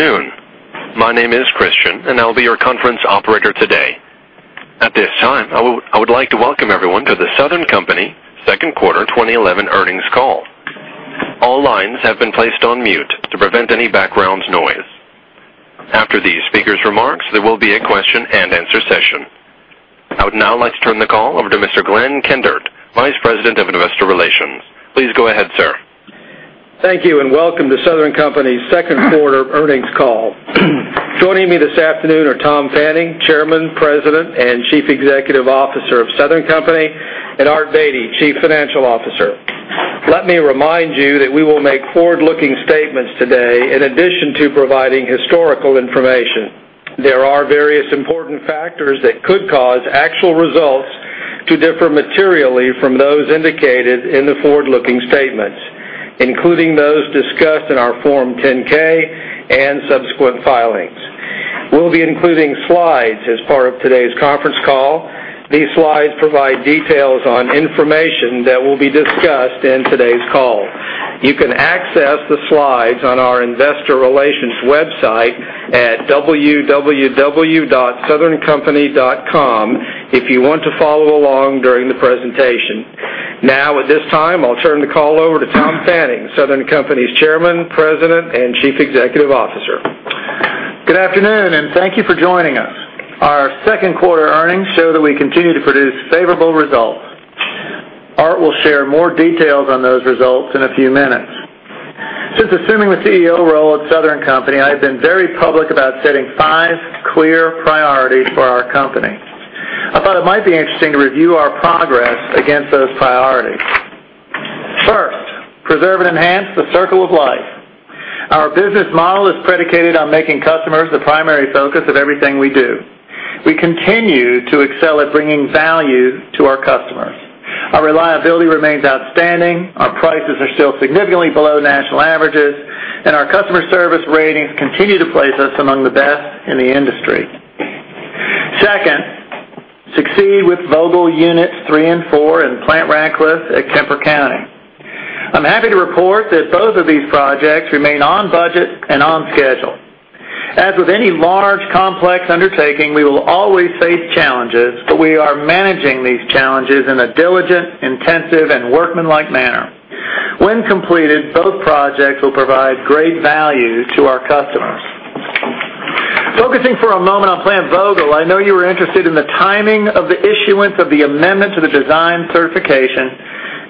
Good afternoon. My name is Christian, and I'll be your conference operator today. At this time, I would like to welcome everyone to The Southern Company Second Quarter 2011 Earnings Call. All lines have been placed on mute to prevent any background noise. After the speakers' remarks, there will be a question-and-answer session. I would now like to turn the call over to Mr. Glen Kundert, Vice President of Investor Relations. Please go ahead, sir. Thank you and welcome to Southern Company's Second Quarter Earnings Call. Joining me this afternoon are Tom Fanning, Chairman, President, and Chief Executive Officer of Southern Company, and Art Beattie, Chief Financial Officer. Let me remind you that we will make forward-looking statements today in addition to providing historical information. There are various important factors that could cause actual results to differ materially from those indicated in the forward-looking statements, including those discussed in our Form 10-K and subsequent filings. We will be including slides as part of today's conference call. These slides provide details on information that will be discussed in today's call. You can access the slides on our Investor Relations website at www.southerncompany.com if you want to follow along during the presentation. Now, at this time, I'll turn the call over to Tom Fanning, Southern Company's Chairman, President, and Chief Executive Officer. Good afternoon and thank you for joining us. Our second quarter earnings show that we continue to produce favorable results. Art will share more details on those results in a few minutes. Since assuming the CEO role at Southern Company, I have been very public about setting five clear priorities for our company. I thought it might be interesting to review our progress against those priorities. First, preserve and enhance the circle of life. Our business model is predicated on making customers the primary focus of everything we do. We continue to excel at bringing value to our customers. Our reliability remains outstanding, our prices are still significantly below national averages, and our customer service ratings continue to place us among the best in the industry. Second, succeed with Vogtle Units 3 and 4 and Plant Ratcliffe at Kemper County. I'm happy to report that both of these projects remain on budget and on schedule. As with any large complex undertaking, we will always face challenges, but we are managing these challenges in a diligent, intensive, and workman-like manner. When completed, both projects will provide great value to our customers. Focusing for a moment on Plant Vogtle, I know you are interested in the timing of the issuance of the amendment to the design certification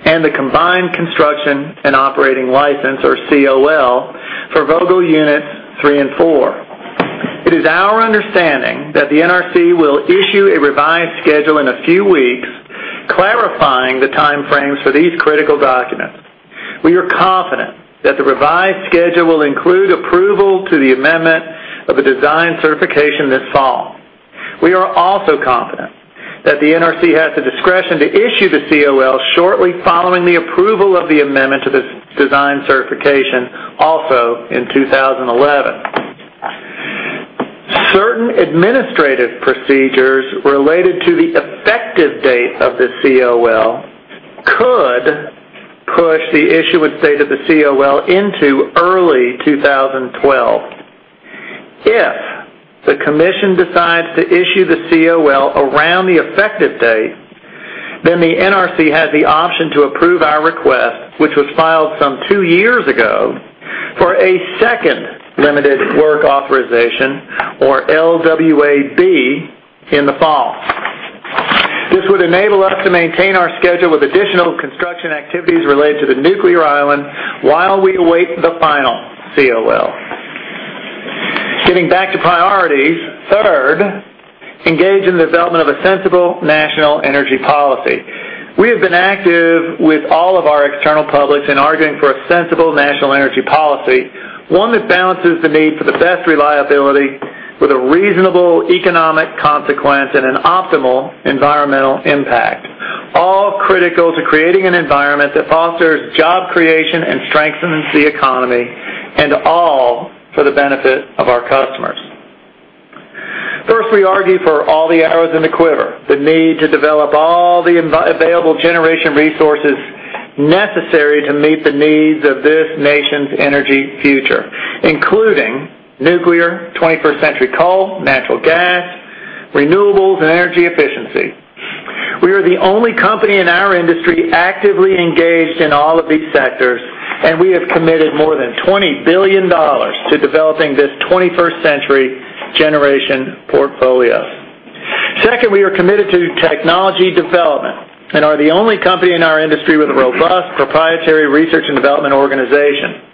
and the combined construction and operating license, or COL, for Vogtle Units 3 and 4. It is our understanding that the NRC will issue a revised schedule in a few weeks, clarifying the timeframes for these critical documents. We are confident that the revised schedule will include approval to the amendment of the design certification this fall. We are also confident that the NRC has the discretion to issue the COL shortly following the approval of the amendment to the design certification, also in 2011. Certain administrative procedures related to the effective date of the COL could push the issuance date of the COL into early 2012. If the Commission decides to issue the COL around the effective date, the NRC has the option to approve our request, which was filed some two years ago, for a second limited work authorization, or LWAB, in the fall. This would enable us to maintain our schedule with additional construction activities related to the nuclear island while we await the final COL. Getting back to priorities, third, engage in the development of a sensible national energy policy. We have been active with all of our external publics in arguing for a sensible national energy policy, one that balances the need for the best reliability with a reasonable economic consequence and an optimal environmental impact, all critical to creating an environment that fosters job creation and strengthens the economy, and all for the benefit of our customers. First, we argue for all the arrows in the quiver, the need to develop all the available generation resources necessary to meet the needs of this nation's energy future, including nuclear, 21st century coal, natural gas, renewables, and energy efficiency. We are the only company in our industry actively engaged in all of these sectors, and we have committed more than $20 billion to developing this 21st century generation portfolio. Second, we are committed to technology development and are the only company in our industry with a robust proprietary research and development organization.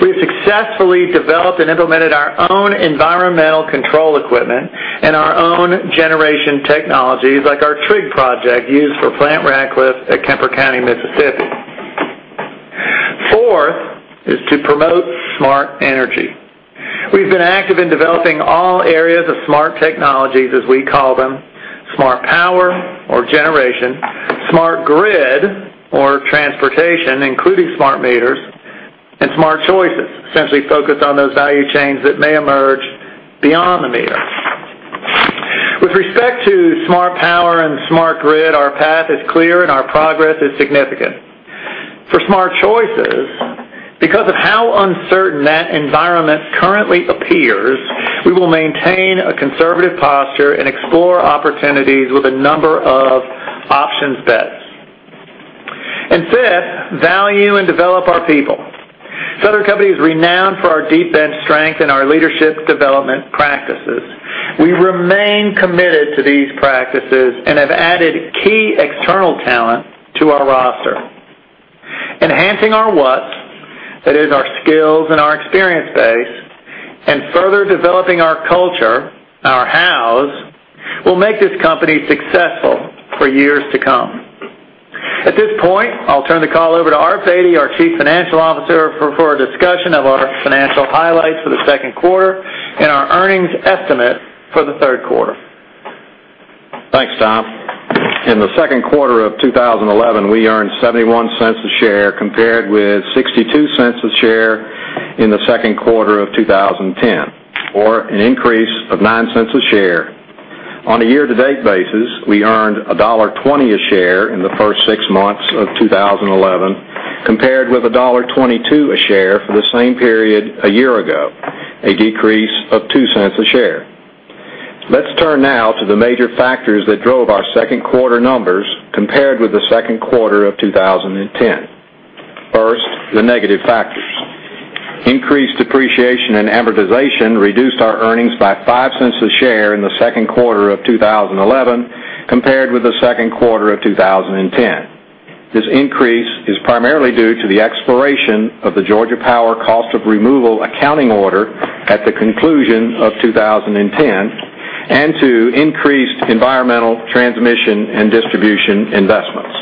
We have successfully developed and implemented our own environmental control equipment and our own generation technologies, like our TWG project used for Plant Rackliff at Kemper County, Mississippi. Fourth is to promote smart energy. We've been active in developing all areas of smart technologies, as we call them: smart power, or generation; smart grid, or transportation, including smart meters; and smart choices, since we focus on those value chains that may emerge beyond the meter. With respect to smart power and smart grid, our path is clear and our progress is significant. For smart choices, because of how uncertain that environment currently appears, we will maintain a conservative posture and explore opportunities with a number of options best. Fifth, value and develop our people. Southern Company is renowned for our deep bench strength and our leadership development practices. We remain committed to these practices and have added key external talent to our roster. Enhancing our whats, that is our skills and our experience base, and further developing our culture, our hows, will make this company successful for years to come. At this point, I'll turn the call over to Art Beattie, our Chief Financial Officer, for a discussion of our financial highlights for the second quarter and our earnings estimates for the third quarter. Thanks, Tom. In the second quarter of 2011, we earned $0.71 a share, compared with $0.62 a share in the second quarter of 2010, or an increase of $0.09 a share. On a year-to-date basis, we earned $1.20 a share in the first six months of 2011, compared with $1.22 a share for the same period a year ago, a decrease of $0.02 a share. Let's turn now to the major factors that drove our second quarter numbers compared with the second quarter of 2010. First, the negative factors. Increased depreciation and amortization reduced our earnings by $0.05 a share in the second quarter of 2011, compared with the second quarter of 2010. This increase is primarily due to the expiration of the Georgia Power cost of removal accounting order at the conclusion of 2010 and to increased environmental transmission and distribution investments.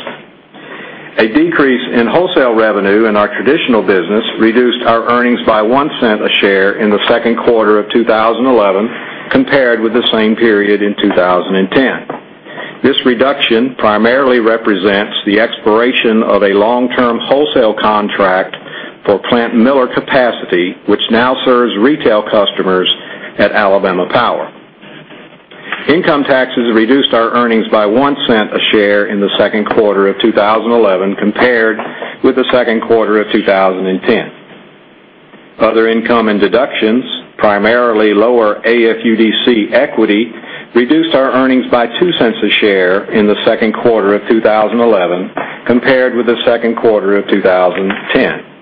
A decrease in wholesale revenue in our traditional business reduced our earnings by $0.01 a share in the second quarter of 2011, compared with the same period in 2010. This reduction primarily represents the expiration of a long-term wholesale contract for Plant Miller capacity, which now serves retail customers at Alabama Power. Income taxes reduced our earnings by $0.01 a share in the second quarter of 2011, compared with the second quarter of 2010. Other income and deductions, primarily lower AFUDC equity, reduced our earnings by $0.02 a share in the second quarter of 2011, compared with the second quarter of 2010.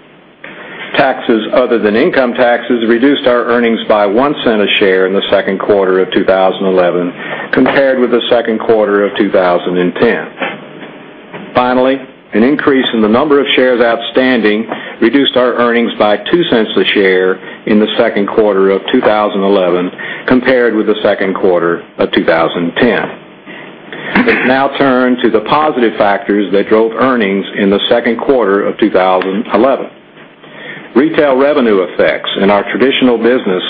Taxes, other than income taxes, reduced our earnings by $0.01 a share in the second quarter of 2011, compared with the second quarter of 2010. Finally, an increase in the number of shares outstanding reduced our earnings by $0.02 a share in the second quarter of 2011, compared with the second quarter of 2010. Let's now turn to the positive factors that drove earnings in the second quarter of 2011. Retail revenue effects in our traditional business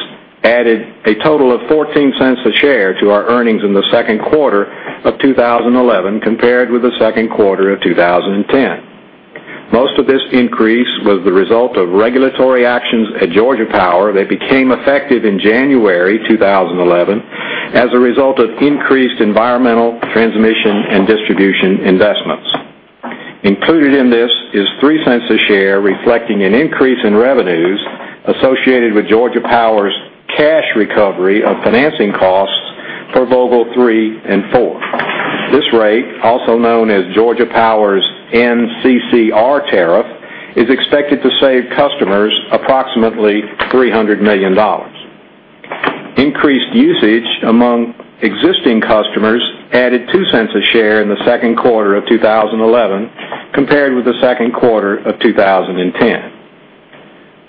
added a total of $0.14 a share to our earnings in the second quarter of 2011, compared with the second quarter of 2010. Most of this increase was the result of regulatory actions at Georgia Power that became effective in January 2011 as a result of increased environmental transmission and distribution investments. Included in this is $0.03 a share reflecting an increase in revenues associated with Georgia Power's cash recovery of financing costs for Vogtle 3 and 4. This rate, also known as Georgia Power's NCCR tariff, is expected to save customers approximately $300 million. Increased usage among existing customers added $0.02 a share in the second quarter of 2011, compared with the second quarter of 2010.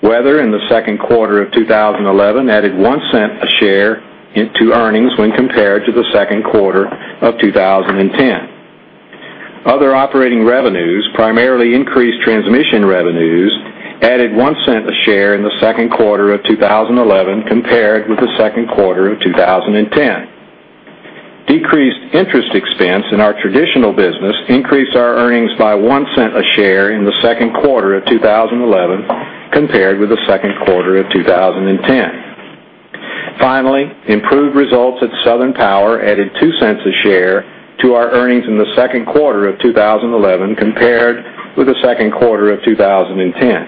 Weather in the second quarter of 2011 added $0.01 a share to earnings when compared to the second quarter of 2010. Other operating revenues, primarily increased transmission revenues, added $0.01 a share in the second quarter of 2011, compared with the second quarter of 2010. Decreased interest expense in our traditional business increased our earnings by $0.01 a share in the second quarter of 2011, compared with the second quarter of 2010. Finally, improved results at Southern Power added $0.02 a share to our earnings in the second quarter of 2011, compared with the second quarter of 2010.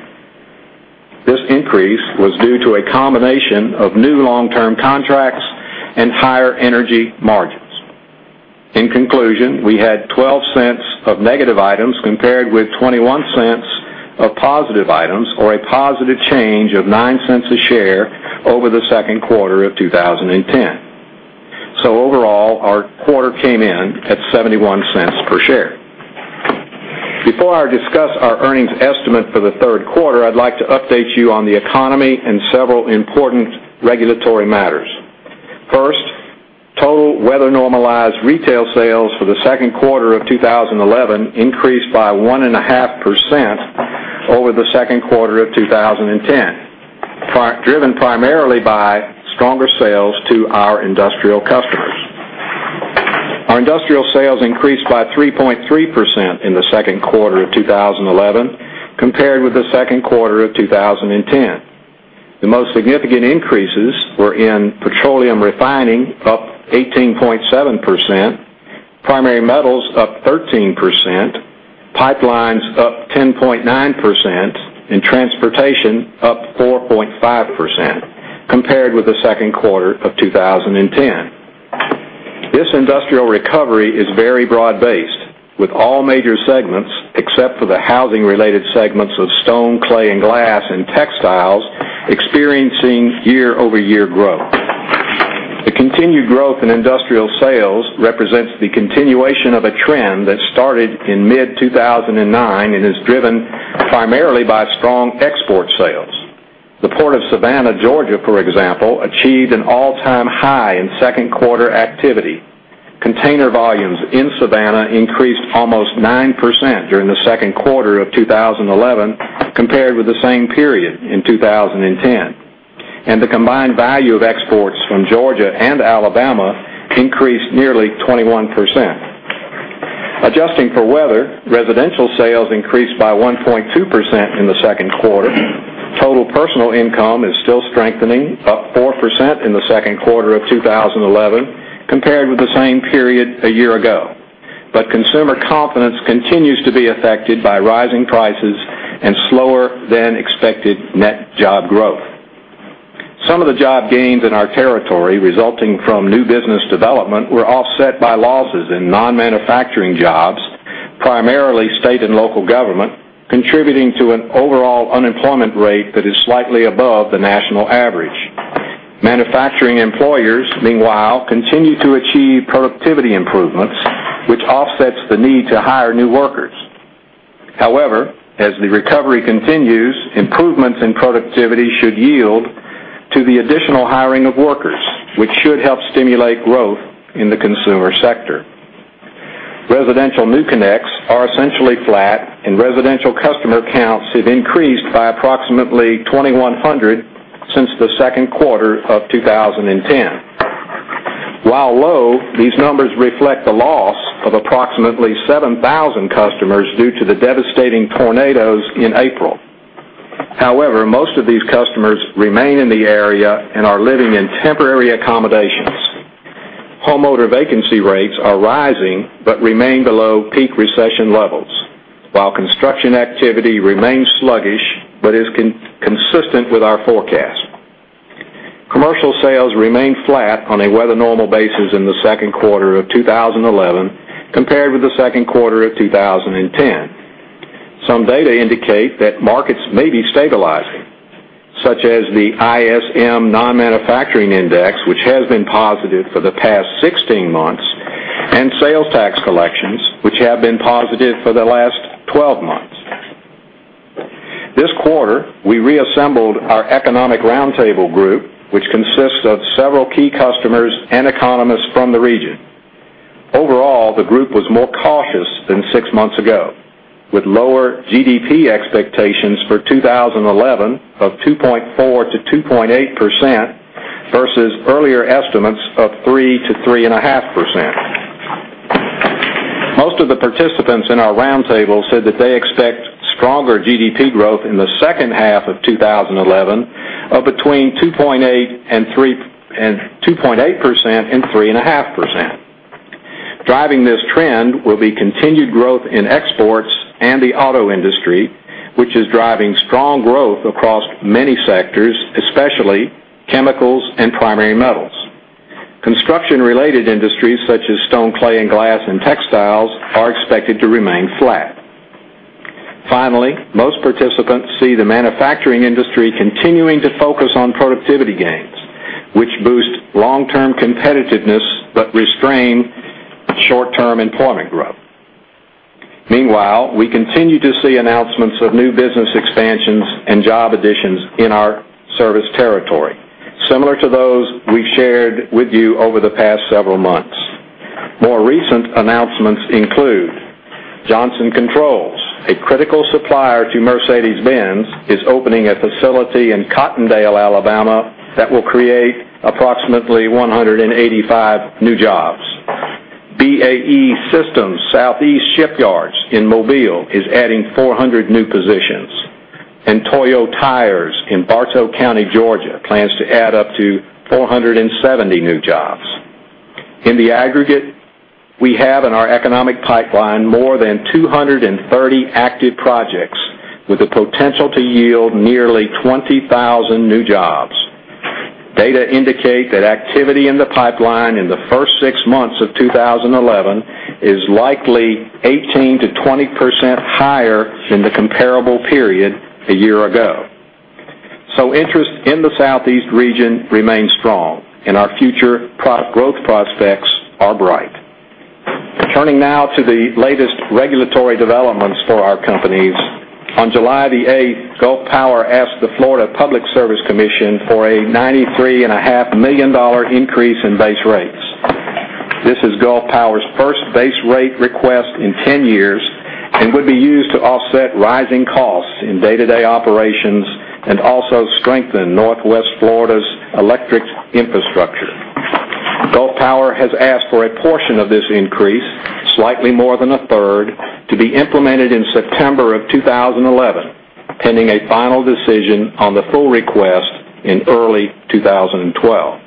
This increase was due to a combination of new long-term contracts and higher energy margins. In conclusion, we had $0.12 of negative items compared with $0.21 of positive items, or a positive change of $0.09 a share over the second quarter of 2010. Overall, our quarter came in at $0.71 per share. Before I discuss our earnings estimate for the third quarter, I'd like to update you on the economy and several important regulatory matters. First, total weather-normalized retail sales for the second quarter of 2011 increased by 1.5% over the second quarter of 2010, driven primarily by stronger sales to our industrial customers. Our industrial sales increased by 3.3% in the second quarter of 2011, compared with the second quarter of 2010. The most significant increases were in petroleum refining, up 18.7%, primary metals up 13%, pipelines up 10.9%, and transportation up 4.5%, compared with the second quarter of 2010. This industrial recovery is very broad-based, with all major segments, except for the housing-related segments of stone, clay, and glass, and textiles, experiencing year-over-year growth. The continued growth in industrial sales represents the continuation of a trend that started in mid-2009 and is driven primarily by strong export sales. The port of Savannah, Georgia, for example, achieved an all-time high in second quarter activity. Container volumes in Savannah increased almost 9% during the second quarter of 2011, compared with the same period in 2010. The combined value of exports from Georgia and Alabama increased nearly 21%. Adjusting for weather, residential sales increased by 1.2% in the second quarter. Total personal income is still strengthening, up 4% in the second quarter of 2011, compared with the same period a year ago. Consumer confidence continues to be affected by rising prices and slower-than-expected net job growth. Some of the job gains in our territory, resulting from new business development, were offset by losses in non-manufacturing jobs, primarily state and local government, contributing to an overall unemployment rate that is slightly above the national average. Manufacturing employers, meanwhile, continue to achieve productivity improvement, which offsets the need to hire new workers. However, as the recovery continues, improvements in productivity should yield to the additional hiring of workers, which should help stimulate growth in the consumer sector. Residential new connects are essentially flat, and residential customer counts have increased by approximately 2,100 since the second quarter of 2010. While low, these numbers reflect the loss of approximately 7,000 customers due to the devastating tornadoes in April. Most of these customers remain in the area and are living in temporary accommodations. Homeowner vacancy rates are rising but remain below peak recession levels, while construction activity remains sluggish but is consistent with our forecast. Commercial sales remain flat on a weather-normal basis in the second quarter of 2011, compared with the second quarter of 2010. Some data indicate that markets may be stabilizing, such as the ISM non-manufacturing index, which has been positive for the past 16 months, and sales tax collections, which have been positive for the last 12 months. This quarter, we reassembled our economic roundtable group, which consists of several key customers and economists from the region. Overall, the group was more cautious than six months ago, with lower GDP expectations for 2011 of 2.4%-2.8% versus earlier estimates of 3%-3.5%. Most of the participants in our roundtable said that they expect stronger GDP growth in the second half of 2011, of between 2.8% and 3.5%. Driving this trend will be continued growth in exports and the auto industry, which is driving strong growth across many sectors, especially chemicals and primary metals. Construction-related industries, such as stone, clay, and glass, and textiles, are expected to remain flat. Finally, most participants see the manufacturing industry continuing to focus on productivity gains, which boost long-term competitiveness but restrain short-term employment growth. Meanwhile, we continue to see announcements of new business expansions and job additions in our service territory, similar to those we've shared with you over the past several months. More recent announcements include Johnson Control, a critical supplier to Mercedes-Benz, is opening a facility in Cottondale, Alabama, that will create approximately 185 new jobs. BAE Systems Southeast Shipyards in Mobile is adding 400 new positions, and Toyo Tires in Bartow County, Georgia, plans to add up to 470 new jobs. In the aggregate, we have in our economic pipeline more than 230 active projects with the potential to yield nearly 20,000 new jobs. Data indicate that activity in the pipeline in the first six months of 2011 is likely 18%-20% higher than the comparable period a year ago. Interest in the Southeast region remains strong, and our future growth prospects are bright. Turning now to the latest regulatory developments for our companies, on July 8, Gulf Power asked the Florida Public Service Commission for a $93.5 million increase in base rates. This is Gulf Power's first base rate request in 10 years and would be used to offset rising costs in day-to-day operations and also strengthen Northwest Florida's electric infrastructure. Gulf Power has asked for a portion of this increase, slightly more than a third, to be implemented in September 2011, pending a final decision on the full request in early 2012.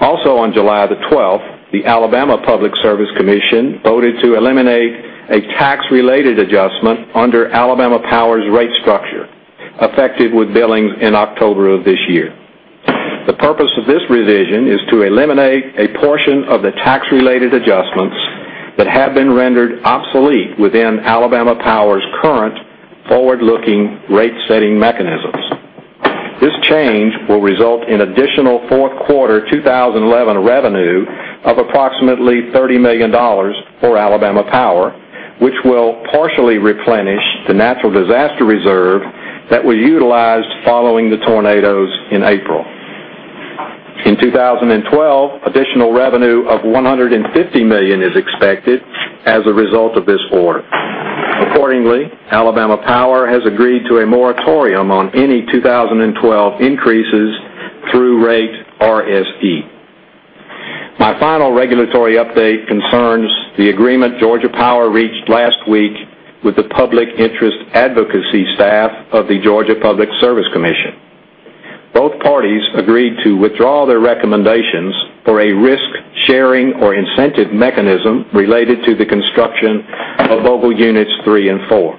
Also, on July 12, the Alabama Public Service Commission voted to eliminate a tax-related adjustment under Alabama Power's rate structure, effective with billing in October of this year. The purpose of this revision is to eliminate a portion of the tax-related adjustments that have been rendered obsolete within Alabama Power's current forward-looking rate-setting mechanisms. This change will result in additional fourth quarter 2011 revenue of approximately $30 million for Alabama Power, which will partially replenish the natural disaster reserve that was utilized following the tornadoes in April. In 2012, additional revenue of $150 million is expected as a result of this order. Accordingly, Alabama Power has agreed to a moratorium on any 2012 increases through rate RSE. My final regulatory update confirms the agreement Georgia Power reached last week with the public interest advocacy staff of the Georgia Public Service Commission. Both parties agreed to withdraw their recommendations for a risk-sharing or incentive mechanism related to the construction of Vogtle Units 3 and 4.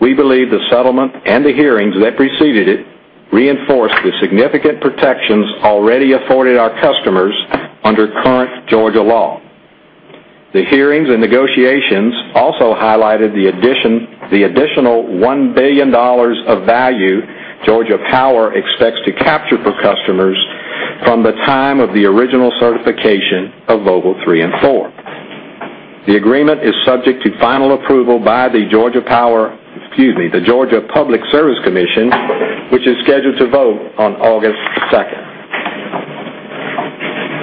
We believe the settlement and the hearings that preceded it reinforced the significant protections already afforded our customers under current Georgia law. The hearings and negotiations also highlighted the additional $1 billion of value Georgia Power expects to capture per customer from the time of the original certification of Vogtle Units 3 and 4. The agreement is subject to final approval by the Georgia Public Service Commission, which is scheduled to vote on August 2.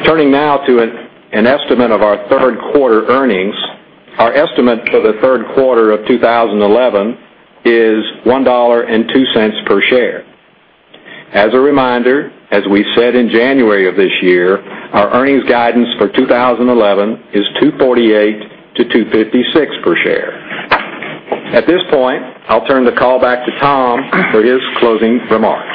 Turning now to an estimate of our third quarter earnings, our estimate for the third quarter of 2011 is $1.02 per share. As a reminder, as we said in January of this year, our earnings guidance for 2011 is $2.48-$2.56 per share. At this point, I'll turn the call back to Tom for his closing remarks.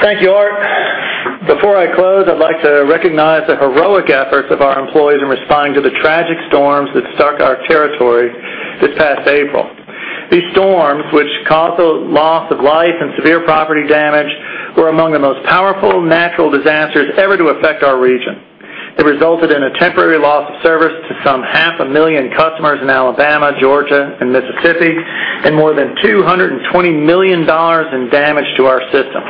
Thank you, Art. Before I close, I'd like to recognize the heroic efforts of our employees in responding to the tragic storms that struck our territories this past April. These storms, which caused the loss of life and severe property damage, were among the most powerful natural disasters ever to affect our region. They resulted in a temporary loss of service to some half a million customers in Alabama, Georgia, and Mississippi, and more than $220 million in damage to our system.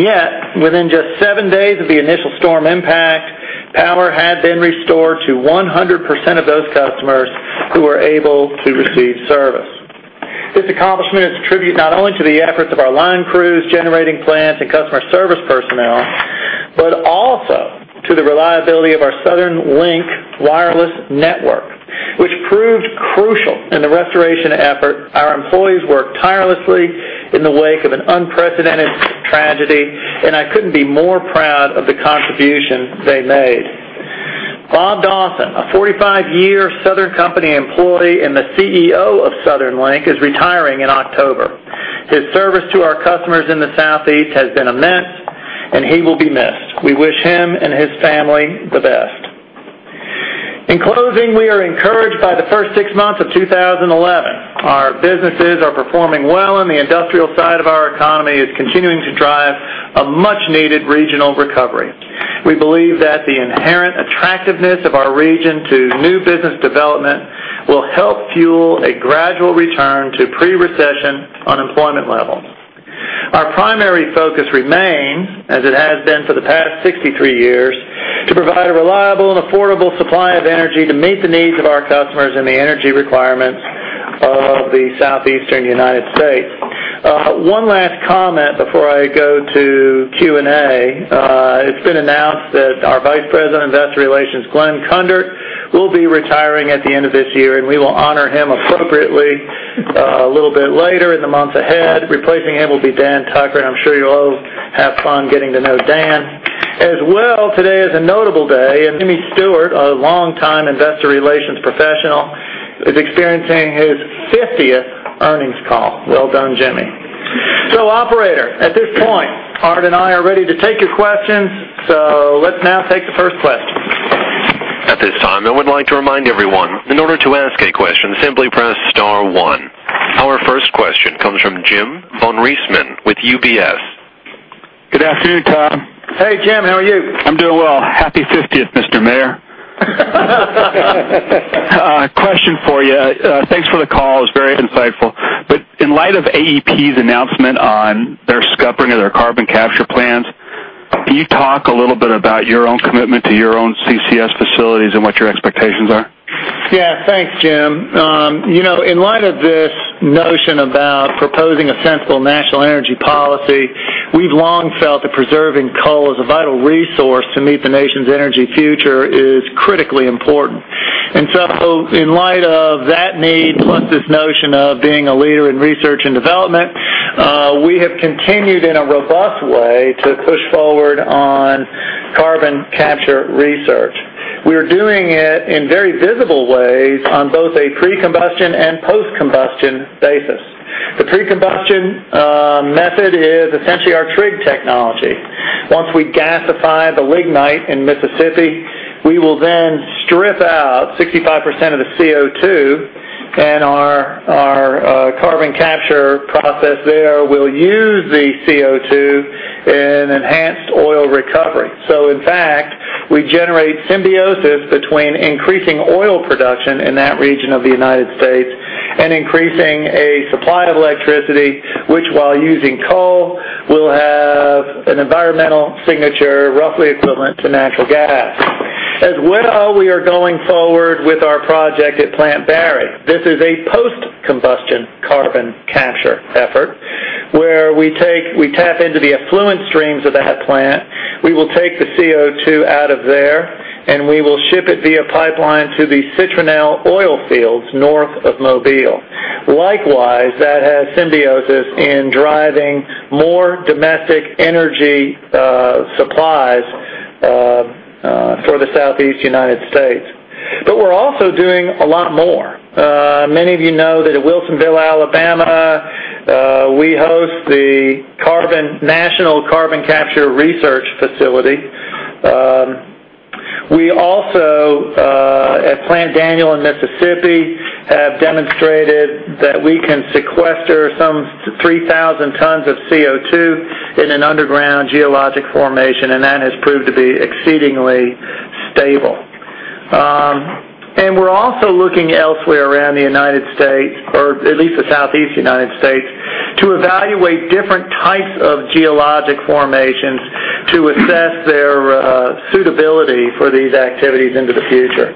Yet, within just seven days of the initial storm impact, power had been restored to 100% of those customers who were able to receive service. This accomplishment is a tribute not only to the efforts of our line crews, generating plants, and customer service personnel, but also to the reliability of our Southern Link wireless network, which proved crucial in the restoration effort. Our employees worked tirelessly in the wake of an unprecedented tragedy, and I couldn't be more proud of the contribution they made. Bob Dawson, a 45-year Southern Company employee and the CEO of Southern Link, is retiring in October. His service to our customers in the Southeast has been immense, and he will be missed. We wish him and his family the best. In closing, we are encouraged by the first six months of 2011. Our businesses are performing well, and the industrial side of our economy is continuing to drive a much-needed regional recovery. We believe that the inherent attractiveness of our region to new business development will help fuel a gradual return to pre-recession unemployment levels. Our primary focus remains, as it has been for the past 63 years, to provide a reliable and affordable supply of energy to meet the needs of our customers and the energy requirements of the Southeastern United States. One last comment before I go to Q&A. It's been announced that our Vice President of Investor Relations, Glen Kundert, will be retiring at the end of this year, and we will honor him appropriately a little bit later in the month ahead. Replacing him will be Dan Tucker, and I'm sure you'll all have fun getting to know Dan. As well, today is a notable day, and Jimmy Stewart, a long-time investor relations professional, is experiencing his 50th earnings call. Well done, Jimmy. Operator, at this point, Art and I are ready to take your questions, so let's now take the first question. At this time, I would like to remind everyone, in order to ask a question, simply press Star, one. Our first question comes from Jim von Riesemann with UBS. Good afternoon, Tom. Hey, Jim, how are you? I'm doing well. Happy 50th, Mr. Mayor. A question for you. Thank you for the call. It was very insightful. In light of AEP's announcement on their scuppering of their carbon capture plans, can you talk a little bit about your own commitment to your own carbon capture and storage facilities and what your expectations are? Yeah, thanks, Jim. You know, in light of the notion about proposing a sensible national energy policy, we've long felt that preserving coal as a vital resource to meet the nation's energy future is critically important. In light of that need, plus this notion of being a leader in research and development, we have continued in a robust way to push forward on carbon capture research. We are doing it in very visible ways on both a pre-combustion and post-combustion basis. The pre-combustion method is essentially our TWG technology. Once we gasify the lignite in Mississippi, we will then strip out 65% of the CO2, and our carbon capture process there will use the CO2 in enhanced oil recovery. In fact, we generate symbiosis between increasing oil production in that region of the United States and increasing a supply of electricity, which, while using coal, will have an environmental signature roughly equivalent to natural gas. As well, we are going forward with our project at Plant Barry. This is a post-combustion carbon capture effort where we tap into the effluent streams of that plant. We will take the CO2 out of there, and we will ship it via pipeline to the Citronelle oil fields north of Mobile. Likewise, that has symbiosis in driving more domestic energy supplies for the Southeast United States. We're also doing a lot more. Many of you know that at Wilsonville, Alabama, we host the National Carbon Capture Research Facility. We also, at Plant Daniel in Mississippi, have demonstrated that we can sequester some 3,000 tons of CO2 in an underground geologic formation, and that has proved to be exceedingly stable. We're also looking elsewhere around the United States, or at least the Southeast United States, to evaluate different types of geologic formations to assess their suitability for these activities into the future.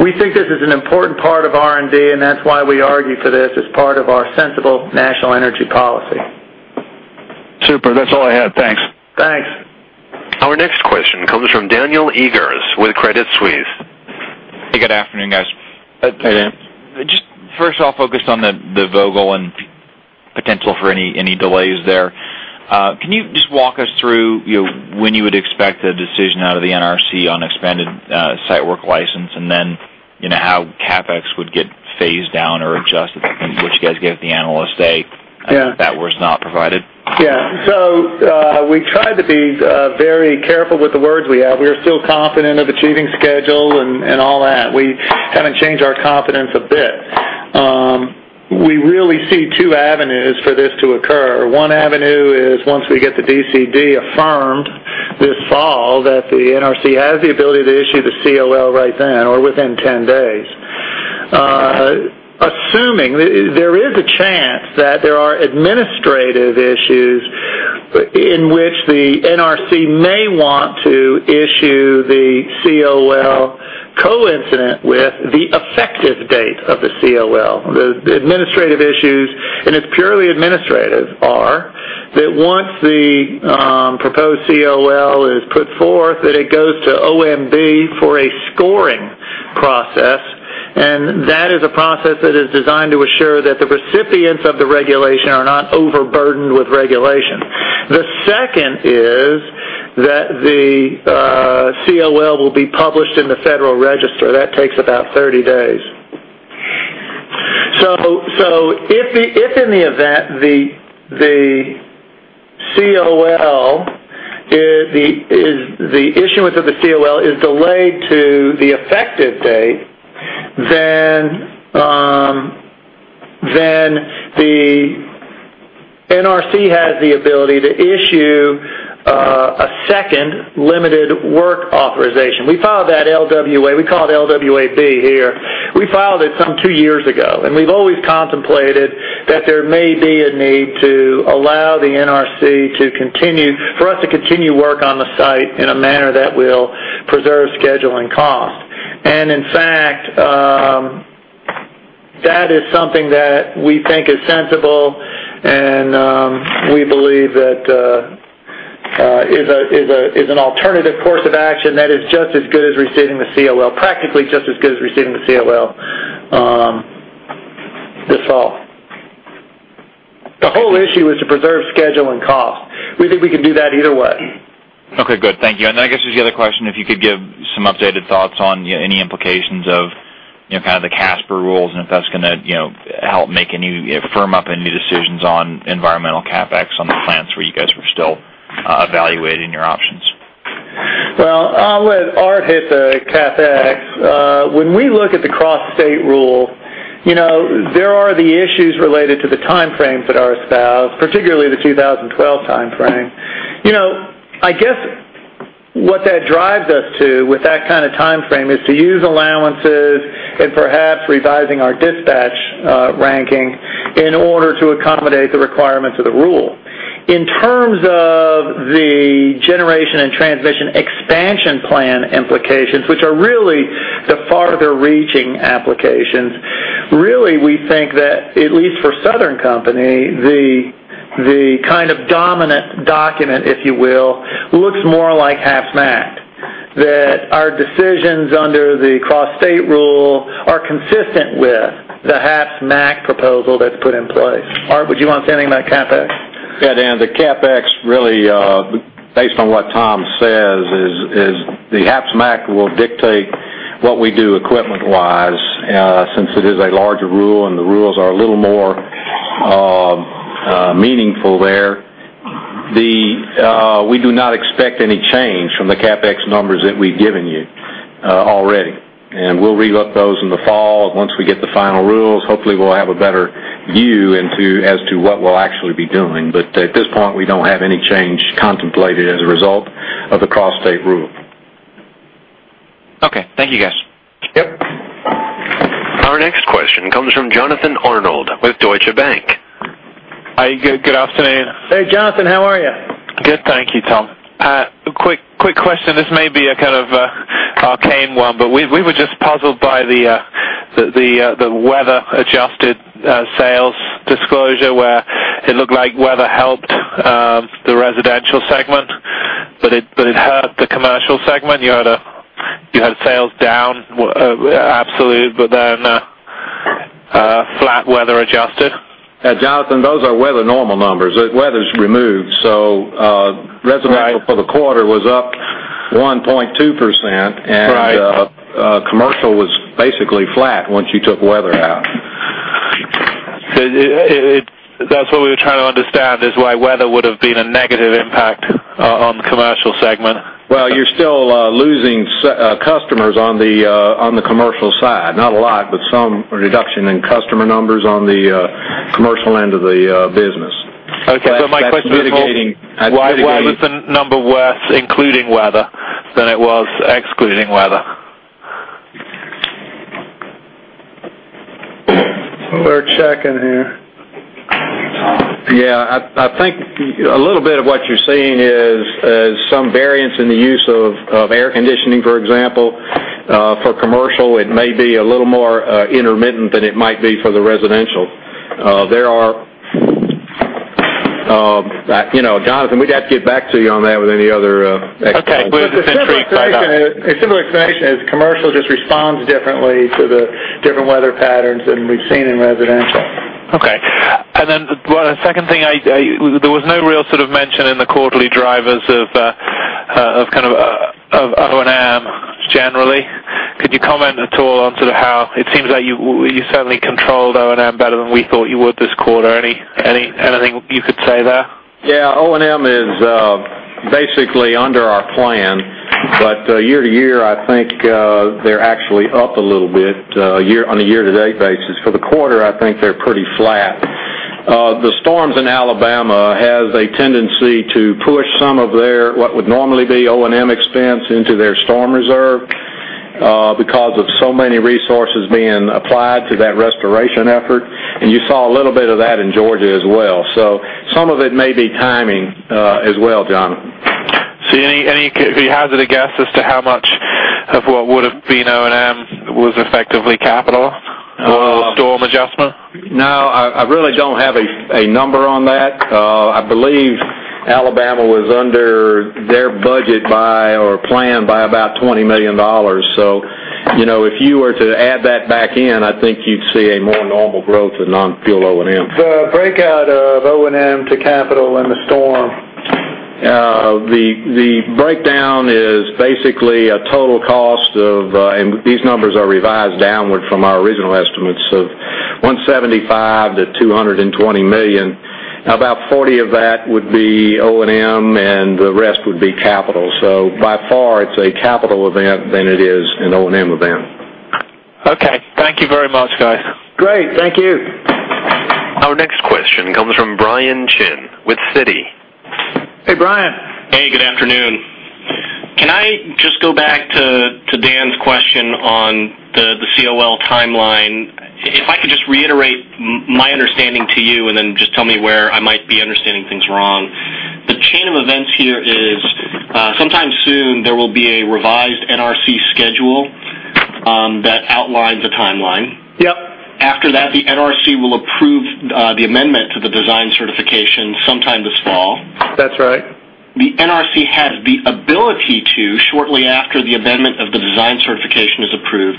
We think this is an important part of R&D, and that's why we argue for this as part of our sensible national energy policy. Super. That's all I had. Thanks. Thanks. Our next question comes from Daniel Eggers with Crédit Suisse AG. Hey, good afternoon, guys. I just, first off, focused on the Vogtle and potential for any delays there. Can you just walk us through when you would expect a decision out of the NRC on expanded site work license, and then how CapEx would get phased down or adjusted, which you guys gave the analysts a date that was not provided? Yeah, so we tried to be very careful with the words we have. We are still confident of achieving schedule and all that. We haven't changed our confidence a bit. We really see two avenues for this to occur. One avenue is once we get the DCD affirmed this fall that the NRC has the ability to issue the COL right then or within 10 days, assuming there is a chance that there are administrative issues in which the NRC may want to issue the COL coincident with the effective date of the COL. The administrative issues, and it's purely administrative, are that once the proposed COL is put forth, that it goes to OMB for a scoring process, and that is a process that is designed to assure that the recipients of the regulation are not overburdened with regulation. The second is that the COL will be published in the Federal Register. That takes about 30 days. If in the event the COL is the issuance of the COL is delayed to the effective date, then the NRC has the ability to issue a second limited work authorization. We filed that LWA; we call it LWAB here. We filed it some two years ago, and we've always contemplated that there may be a need to allow the NRC to continue for us to continue work on the site in a manner that will preserve schedule and cost. In fact, that is something that we think is sensible, and we believe that is an alternative course of action that is just as good as receiving the COL, practically just as good as receiving the COL this fall. The whole issue is to preserve schedule and cost. We think we can do that either way. Okay, good. Thank you. I guess there's the other question, if you could give some updated thoughts on any implications of kind of the CASP Rule and if that's going to help make any firm up any decisions on environmental CapEx on the plants where you guys were still evaluating your options. Art hit the CapEx. When we look at the Cross-State Rule, there are the issues related to the timeframes that are established, particularly the 2012 timeframe. I guess what that drives us to with that kind of timeframe is to use allowances and perhaps revising our dispatch ranking in order to accommodate the requirements of the rule. In terms of the generation and transmission expansion plan implications, which are really the farther-reaching applications, we think that at least for Southern Company, the kind of dominant document, if you will, looks more like HAPS-MACT, that our decisions under the Cross Rule are consistent with the HAPS-MACT proposal that's put in place. Art, would you want to say anything about CapEx? Yeah, Dan, the CapEx really, based on what Tom says, is the HAPS-MACT will dictate what we do equipment-wise since it is a larger rule and the rules are a little more meaningful there. We do not expect any change from the CapEx numbers that we've given you already. We'll review those in the fall. Once we get the final rule, hopefully we'll have a better view as to what we'll actually be doing. At this point, we don't have any change contemplated as a result of the Cross-State Rule. Okay, thank you, guys. Yep. Our next question comes from Jonathan Arnold with Deutsche Bank. Are you good? Good afternoon. Hey, Jonathan, how are you? Good, thank you, Tom. A quick question. This may be a kind of arcane one, but we were just puzzled by the weather-adjusted sales disclosure, where it looked like weather helped the residential segment, but it hurt the commercial segment. You had sales down, absolute, but then flat weather-adjusted. Yeah, Jonathan, those are weather normal numbers. Weather's removed. Residential for the quarter was up 1.2%, and commercial was basically flat once you took weather out. That’s what we were trying to understand, why weather would have been a negative impact on the commercial segment. You're still losing customers on the commercial side, not a lot, but some reduction in customer numbers on the commercial end of the business. Okay, my question is why was the number worth including weather than it was excluding weather? We're checking here. Yeah, I think a little bit of what you're seeing is some variance in the use of air conditioning, for example. For commercial, it may be a little more intermittent than it might be for the residential. There are, you know, Jonathan, we'd have to get back to you on that with any other explanation. Okay, it's a similar experience as commercial, just responds differently to the different weather patterns than we've seen in residential. Okay. The second thing, there was no real sort of mention in the quarterly drivers of kind of O&M generally. Could you comment at all on sort of how it seems like you certainly controlled O&M better than we thought you would this quarter? Anything you could say there? Yeah, O&M is basically under our plan, but year to year, I think they're actually up a little bit on a year-to-date basis. For the quarter, I think they're pretty flat. The storms in Alabama have a tendency to push some of their what would normally be O&M expense into their storm reserve because of so many resources being applied to that restoration effort. You saw a little bit of that in Georgia as well. Some of it may be timing as well, Jonathan. See, any hazard to guess as to how much of what would have been O&M was effectively capital on the storm adjustment? No, I really don't have a number on that. I believe Alabama was under their budget or plan by about $20 million. If you were to add that back in, I think you'd see a more normal growth in non-fuel O&M. The breakout of O&M to capital in the storm? The breakdown is basically a total cost of, and these numbers are revised downward from our original estimates of $175 million-$220 million. About $40 million of that would be O&M and the rest would be capital. By far, it's a capital event than it is an O&M event. Okay, thank you very much, guys. Great, thank you. Our next question comes from Brian Chin with Citi. Hey, Brian. Hey, good afternoon. Can I just go back to Dan's question on the COL timeline? If I could just reiterate my understanding to you and then just tell me where I might be understanding things wrong. The chain of events here is sometime soon there will be a revised NRC schedule that outlines a timeline. Yep. After that, the NRC will approve the amendment to the design certification sometime this fall. That's right. The NRC has the ability to, shortly after the amendment of the design certification is approved,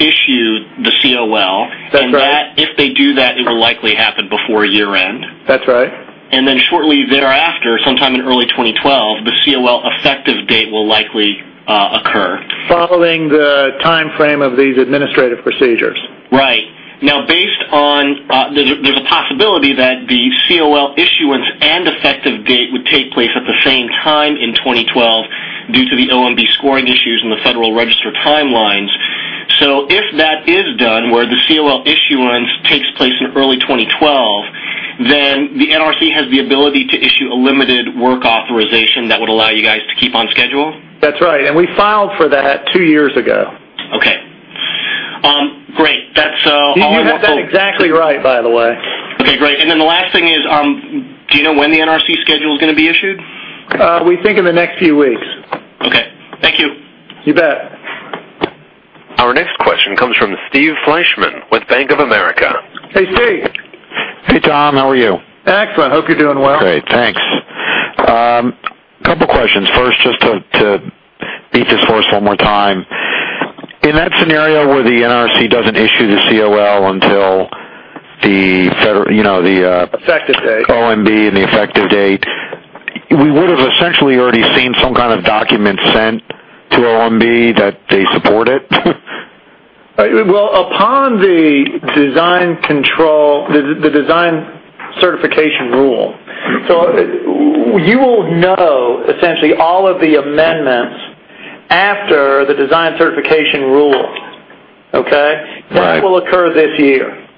issue the COL at that time. That's right. If they do that, it will likely happen before year-end. That's right. Shortly thereafter, sometime in early 2012, the COL effective date will likely occur. Following the timeframe of these administrative procedures. Right. Now, based on, there's a possibility that the COL issuance and effective date would take place at the same time in 2012 due to the OMB scoring issues and the Federal Register timelines. If that is done, where the COL issuance takes place in early 2012, the NRC has the ability to issue a limited work authorization that would allow you guys to keep on schedule? That's right. We filed for that two years ago. Okay. Great. You have that exactly right, by the way. Okay, great. The last thing is, do you know when the NRC schedule is going to be issued? We think in the next few weeks. Okay, thank you. You bet. Our next question comes from Steven Fleishman with Bank of America. Hey, Steve. Hey, Tom. How are you? Excellent. Hope you're doing well. Great, thanks. A couple of questions. First, just to beat this horse one more time. In that scenario where the NRC doesn't issue the COL until the effective date, OMB and the effective date, we would have essentially already seen some kind of document sent through OMB that they support it? Upon the design control, the design certification rule, you will know essentially all of the amendments after the design certification rule, okay? That will occur this year.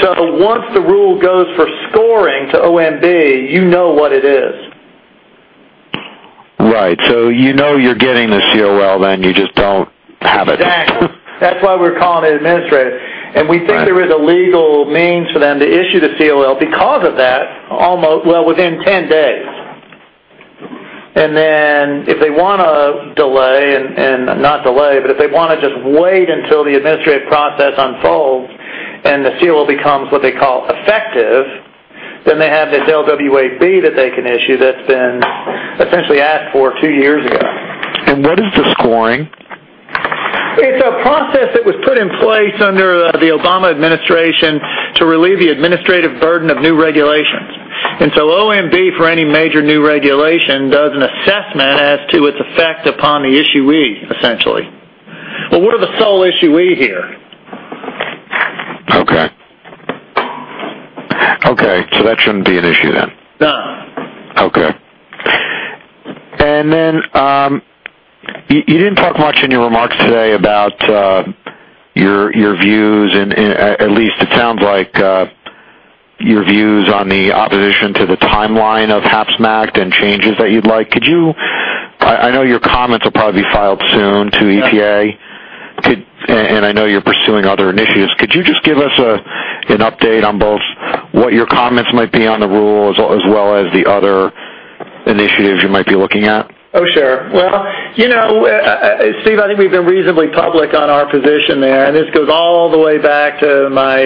Once the rule goes for scoring to OMB, you know what it is. Right. You know you're getting the COL, then. You just don't have it. Exactly. That's why we're calling it administrative. We think there is a legal means for them to issue the COL because of that, almost, well, within 10 days. If they want to delay and not delay, but if they want to just wait until the administrative process unfolds and the COL becomes what they call effective, they have this LWAB that they can issue that's been essentially asked for two years ago. What is it scoring? It's a process that was put in place under the Obama administration to relieve the administrative burden of new regulations. OMB, for any major new regulation, does an assessment as to its effect upon the issue, essentially. We're the sole issue here? Okay. That's going to be an issue then. You didn't talk much in your remarks today about your views, and at least it sounds like your views on the opposition to the timeline of HAPS-MACT and changes that you'd like. I know your comments will probably be filed soon to EPA, and I know you're pursuing other initiatives. Could you just give us an update on both what your comments might be on the rule as well as the other initiatives you might be looking at? Oh, sure. You know, Steve, I think we've been reasonably public on our position there, and this goes all the way back to my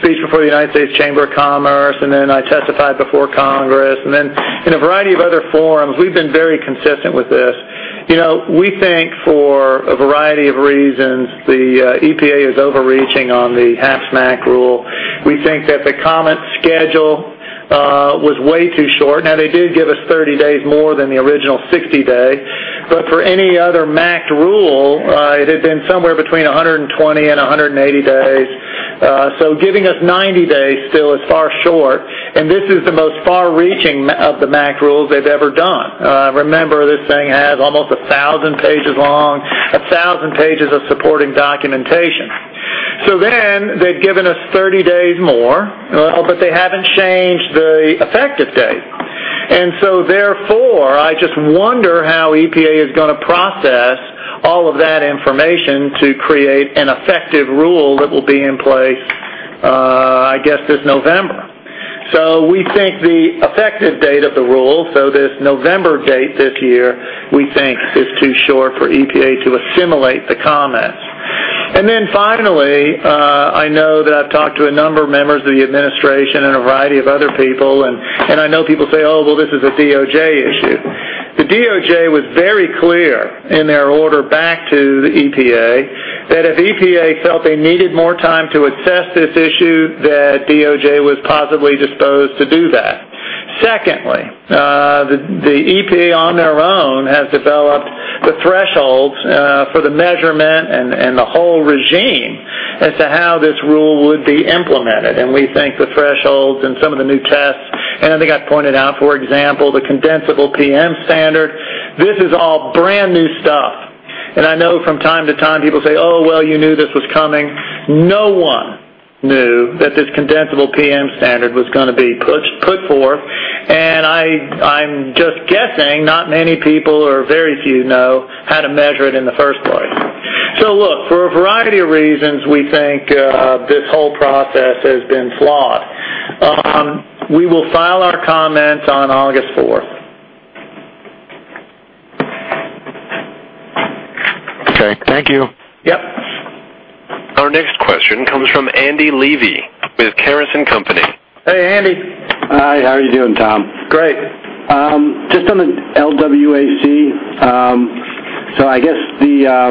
speech before the United States Chamber of Commerce, and then I testified before Congress, and then in a variety of other forums, we've been very consistent with this. You know, we think for a variety of reasons, the EPA is overreaching on the HAPS-MACT rule. We think that the comment schedule was way too short. They did give us 30 days more than the original 60-day, but for any other MACT rule, it had been somewhere between 120 and 180 days. Giving us 90 days still is far short, and this is the most far-reaching of the MACT rules they've ever done. Remember, this thing is almost 1,000 pages long, 1,000 pages of supporting documentation. They'd given us 30 days more, but they haven't changed the effective date. Therefore, I just wonder how EPA is going to process all of that information to create an effective rule that will be in place, I guess, this November. We think the effective date of the rule, this November date this year, is too short for EPA to assimilate the comments. Finally, I know that I've talked to a number of members of the administration and a variety of other people, and I know people say, "Oh, this is a DOJ issue." The DOJ was very clear in their order back to the EPA that if EPA felt they needed more time to assess this issue, that DOJ was possibly disposed to do that. Secondly, the EPA on their own has developed the thresholds for the measurement and the whole regime as to how this rule would be implemented. We think the thresholds and some of the new tests, and I think I pointed out, for example, the condensable PM standard, this is all brand new stuff. I know from time to time people say, "Oh, you knew this was coming." No one knew that this condensable PM standard was going to be put forth. I'm just guessing not many people or very few know how to measure it in the first place. For a variety of reasons, we think this whole process has been flawed. We will file our comments on August 4th. Okay, thank you. Yep. Our next question comes from Andy Levy with Carris & Company. Hey, Andy. Hi, how are you doing, Tom? Great. Just on the LWAC. I guess the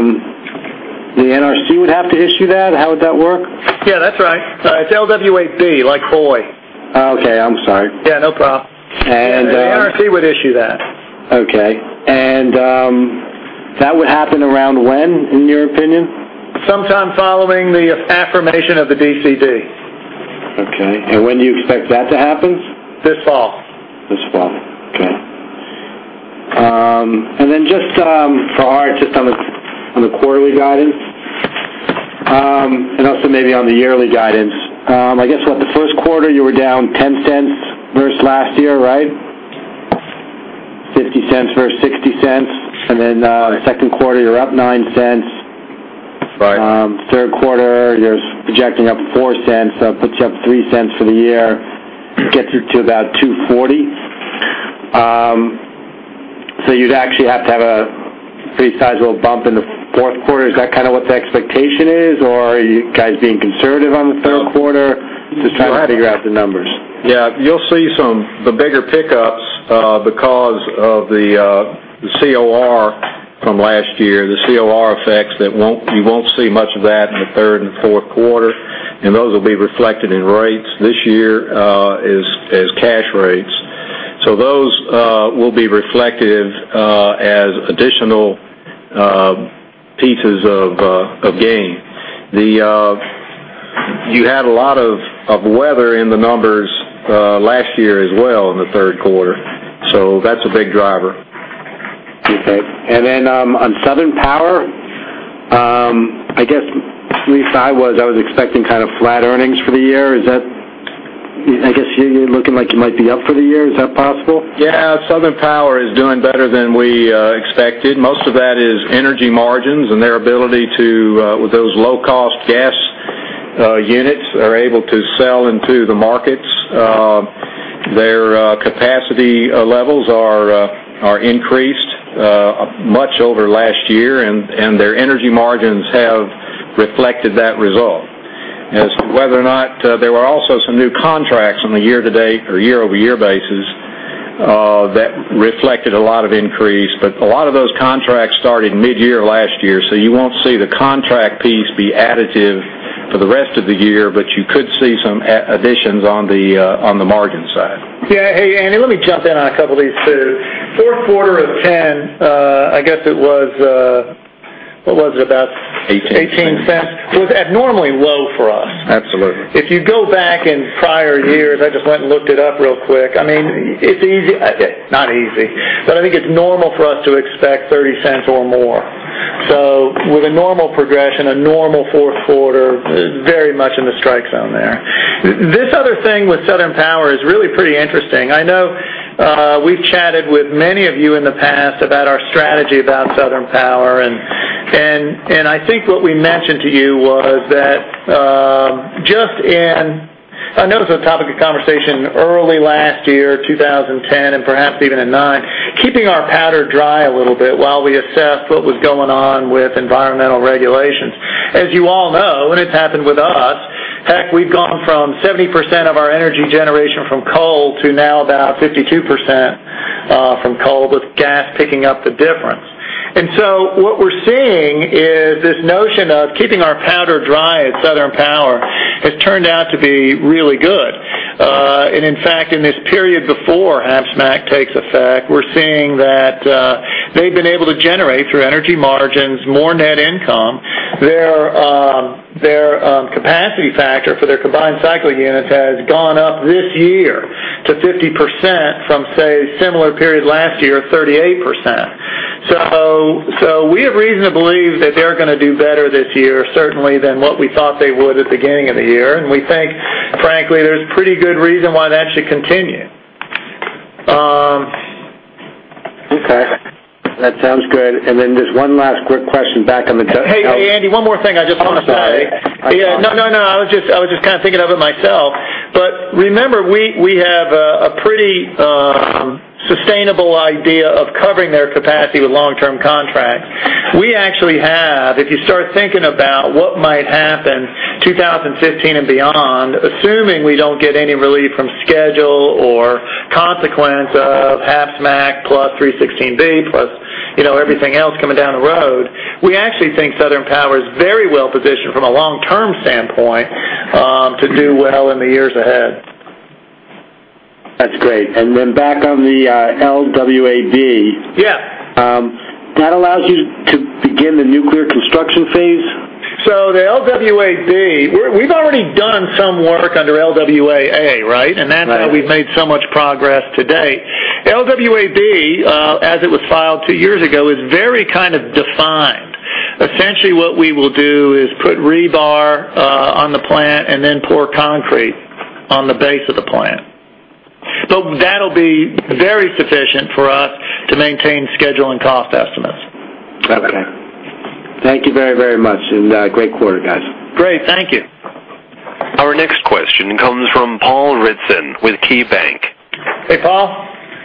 NRC would have to issue that. How would that work? Yeah, that's right. It's LWAC, like boy. Okay, I'm sorry. Yeah, no problem. The NRC would issue that. Okay. That would happen around when, in your opinion? Sometime following the affirmation of the DCD. When do you expect that to happen? This fall. This fall. Okay. Just for Art, just on the quarterly guidance and also maybe on the yearly guidance, I guess at the first quarter, you were down $0.10 versus last year, right? $0.50 versus $0.60. In the second quarter, you're up $0.09. Right. Third quarter, you're projecting up $0.04, so it puts you up $0.03 for the year. It gets it to about $2.40. You'd actually have to have a pretty sizable bump in the fourth quarter. Is that kind of what the expectation is, or are you guys being conservative on the third quarter? It's time to figure out the numbers. Yeah, you'll see some of the bigger pickup because of the COR from last year, the COR effects that you won't see much of in the third and the fourth quarter. Those will be reflected in rates this year as cash rates. Those will be reflected as additional pieces of gain. You had a lot of weather in the numbers last year as well in the third quarter. That's a big driver. Okay. On Southern Power, I guess at least I was expecting kind of flat earnings for the year. Is that looking like you might be up for the year? Is that possible? Yeah, Southern Power is doing better than we expected. Most of that is energy margins and their ability to, with those low-cost gas units, are able to sell into the markets. Their capacity levels are increased much over last year, and their energy margins have reflected that result. Whether or not there were also some new contracts on a year-to-date or year-over-year basis that reflected a lot of increase, but a lot of those contracts started mid-year last year. You won't see the contract piece be additive for the rest of the year, but you could see some additions on the margin side. Yeah, hey, Andy, let me jump in on a couple of these too. Third quarter of 2010, I guess it was, what was it, about $0.18. It was abnormally low for us. Absolutely. If you go back in prior years, I just went and looked it up real quick. I mean, it's easy, not easy, but I think it's normal for us to expect $0.30 or more. With a normal progression, a normal fourth quarter, very much in the strike zone there. This other thing with Southern Power is really pretty interesting. I know we've chatted with many of you in the past about our strategy about Southern Power, and I think what we mentioned to you was that just in, I know it was a topic of conversation early last year, 2010, and perhaps even in 2009, keeping our powder dry a little bit while we assessed what was going on with environmental regulations. As you all know, and it's happened with us, heck, we've gone from 70% of our energy generation from coal to now about 52% from coal with gas picking up the difference. What we're seeing is this notion of keeping our powder dry at Southern Power has turned out to be really good. In fact, in this period before HAPS-MACT takes effect, we're seeing that they've been able to generate through energy margins more net income. Their capacity factor for their combined cycle units has gone up this year to 50% from, say, a similar period last year, 38%. We have reason to believe that they're going to do better this year, certainly than what we thought they would at the beginning of the year. We think, frankly, there's pretty good reason why that should continue. Okay. That sounds good. Just one last quick question back on the. Hey, Andy, one more thing I just wanted to say. Go ahead. I was just kind of thinking of it myself. Remember, we have a pretty sustainable idea of covering their capacity with long-term contracts. We actually have, if you start thinking about what might happen in 2015 and beyond, assuming we don't get any relief from schedule or consequence of HAPS-MACT plus 316B plus everything else coming down the road, we actually think Southern Power is very well positioned from a long-term standpoint to do well in the years ahead. That's great. Back on the LWAB, yeah, that allows you to begin the nuclear construction phase? The LWAB, we've already done some work under LWAA, right? That's how we've made so much progress to date. LWAB, as it was filed two years ago, is very kind of defined. Essentially, what we will do is put rebar on the plant and then pour concrete on the base of the plant. That'll be very sufficient for us to maintain schedule and cost estimates. Okay. Thank you very, very much. Great quarter, guys. Great, thank you. Our next question comes from Paul Ridzon with KeyBanc. Hey, Paul.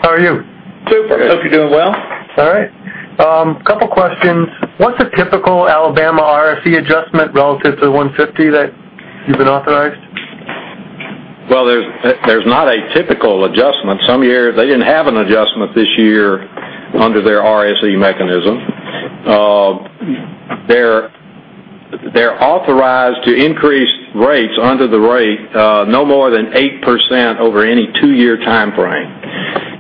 How are you? Super. I hope you're doing well. All right. A couple of questions. What's a typical Alabama Power RSE adjustment relative to the $150 million that you've been authorized? There is not a typical adjustment. Some years, they didn't have an adjustment this year under their RSE mechanism. They're authorized to increase rates under the rate no more than 8% over any two-year timeframe.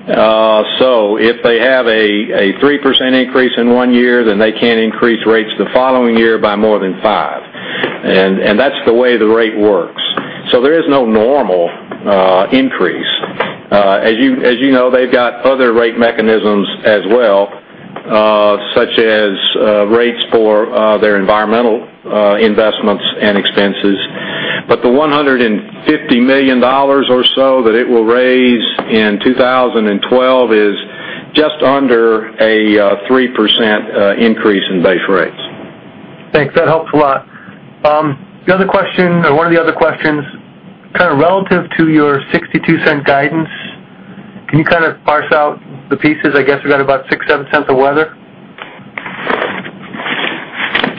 If they have a 3% increase in one year, then they can't increase rates the following year by more than 5%. That's the way the rate works. There is no normal increase. As you know, they've got other rate mechanisms as well, such as rates for their environmental investments and expenses. The $150 million or so that it will raise in 2012 is just under a 3% increase in base rate. Thanks. That helps a lot. The other question, or one of the other questions, kind of relative to your $0.62 guidance, can you kind of parse out the pieces? I guess we've got about $0.06, $0.07 of weather.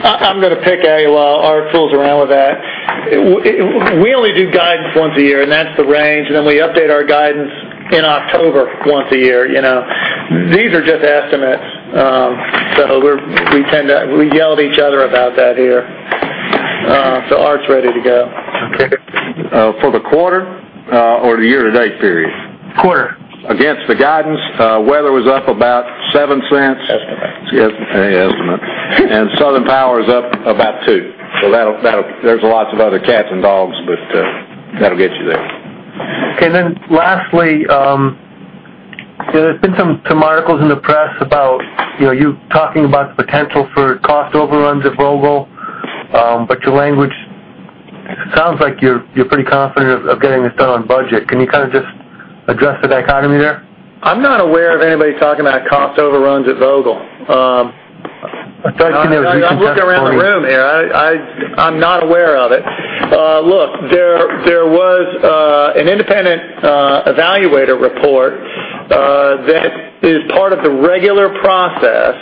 I'm going to pick a, while Art fools around with that. We only do guidance once a year, and that's the range. We update our guidance in October once a year. You know, these are just estimates. We tend to yell at each other about that here. Art's ready to go. Okay. For the quarter or the year-to-date period? Quarter. Again, for guidance, weather was up about $0.07. Yes, an estimate. Southern Power is up about $2. There are lots of other cats and dogs, but that'll get you there. Okay. Lastly, there's been some articles in the press about you talking about the potential for cost overruns at Vogtle, but your language sounds like you're pretty confident of getting this done on budget. Can you kind of just address the dichotomy there? I'm not aware of anybody talking about cost overruns at Vogtle. I'm looking around the room here. I'm not aware of it. Look, there was an independent evaluator report that is part of the regular process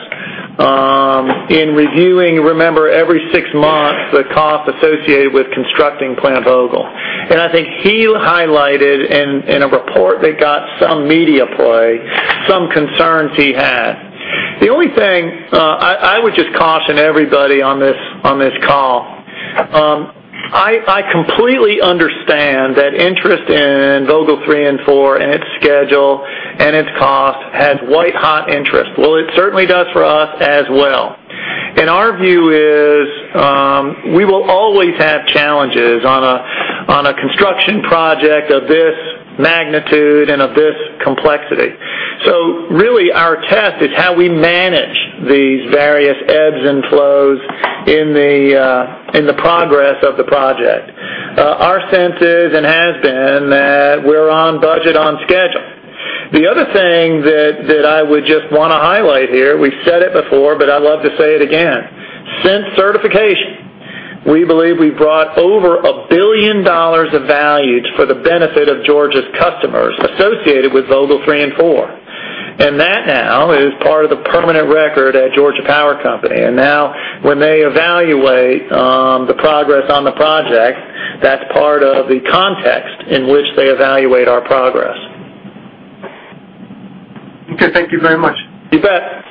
in reviewing, remember, every six months, the cost associated with constructing Plant Vogtle. I think he highlighted in a report that got some media play some concerns he had. The only thing I would just caution everybody on this call, I completely understand that interest in Vogtle 3 and 4 and its schedule and its cost has white-hot interest. It certainly does for us as well. Our view is we will always have challenges on a construction project of this magnitude and of this complexity. Really, our test is how we manage these various ebbs and flows in the progress of the project. Our sense is and has been that we're on budget on schedule. The other thing that I would just want to highlight here, we've said it before, but I'd love to say it again. Since certification, we believe we've brought over $1 billion of value for the benefit of Georgia's customers associated with Vogtle 3 and 4. That now is part of the permanent record at Georgia Power. Now, when they evaluate the progress on the project, that's part of the context in which they evaluate our progress. Okay, thank you very much. You bet.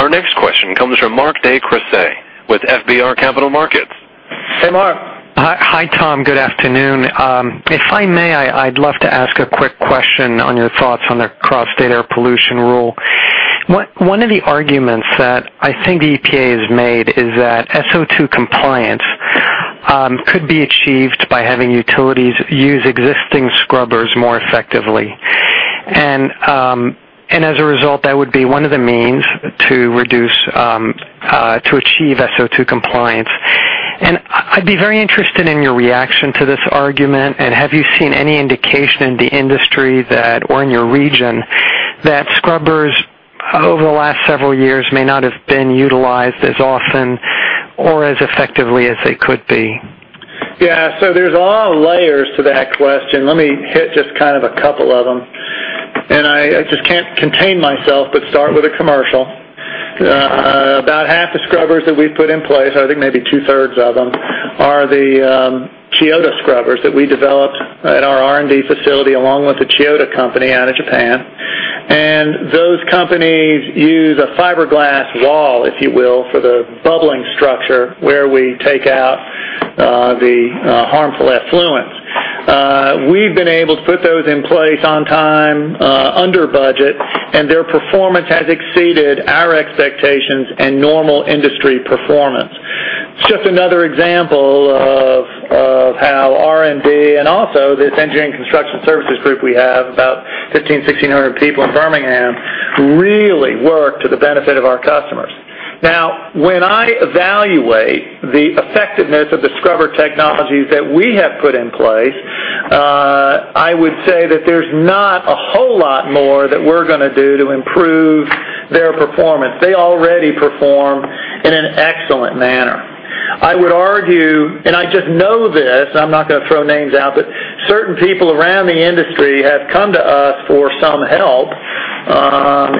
Our next question comes from Marc de Croisset with FBR Capital Markets. Hey, Mark. Hi, Tom. Good afternoon. If I may, I'd love to ask a quick question on your thoughts on the Cross-State Air Pollution Rule. One of the arguments that I think the EPA has made is that SO2 compliance could be achieved by having utilities use existing scrubbers more effectively. That would be one of the means to achieve SO2 compliance. I'd be very interested in your reaction to this argument. Have you seen any indication in the industry or in your region that scrubbers over the last several years may not have been utilized as often or as effectively as they could be? Yeah, so there's a lot of layers to that question. Let me hit just kind of a couple of them. I just can't contain myself but start with a commercial. About half the scrubbers that we've put in place, I think maybe 1/3 of them, are the Kyota scrubbers that we developed at our R&D facility along with the Kyota Company out of Japan. Those companies use a fiberglass wall, if you will, for the bubbling structure where we take out the harmful effluents. We've been able to put those in place on time, under budget, and their performance has exceeded our expectations and normal industry performance. It's just another example of how R&D and also this Engineering Construction Services group we have, about 1,500, 1,600 people in Birmingham, who really work to the benefit of our customers. Now, when I evaluate the effectiveness of the scrubber technologies that we have put in place, I would say that there's not a whole lot more that we're going to do to improve their performance. They already perform in an excellent manner. I would argue, and I just know this, I'm not going to throw names out, but certain people around the industry have come to us for some help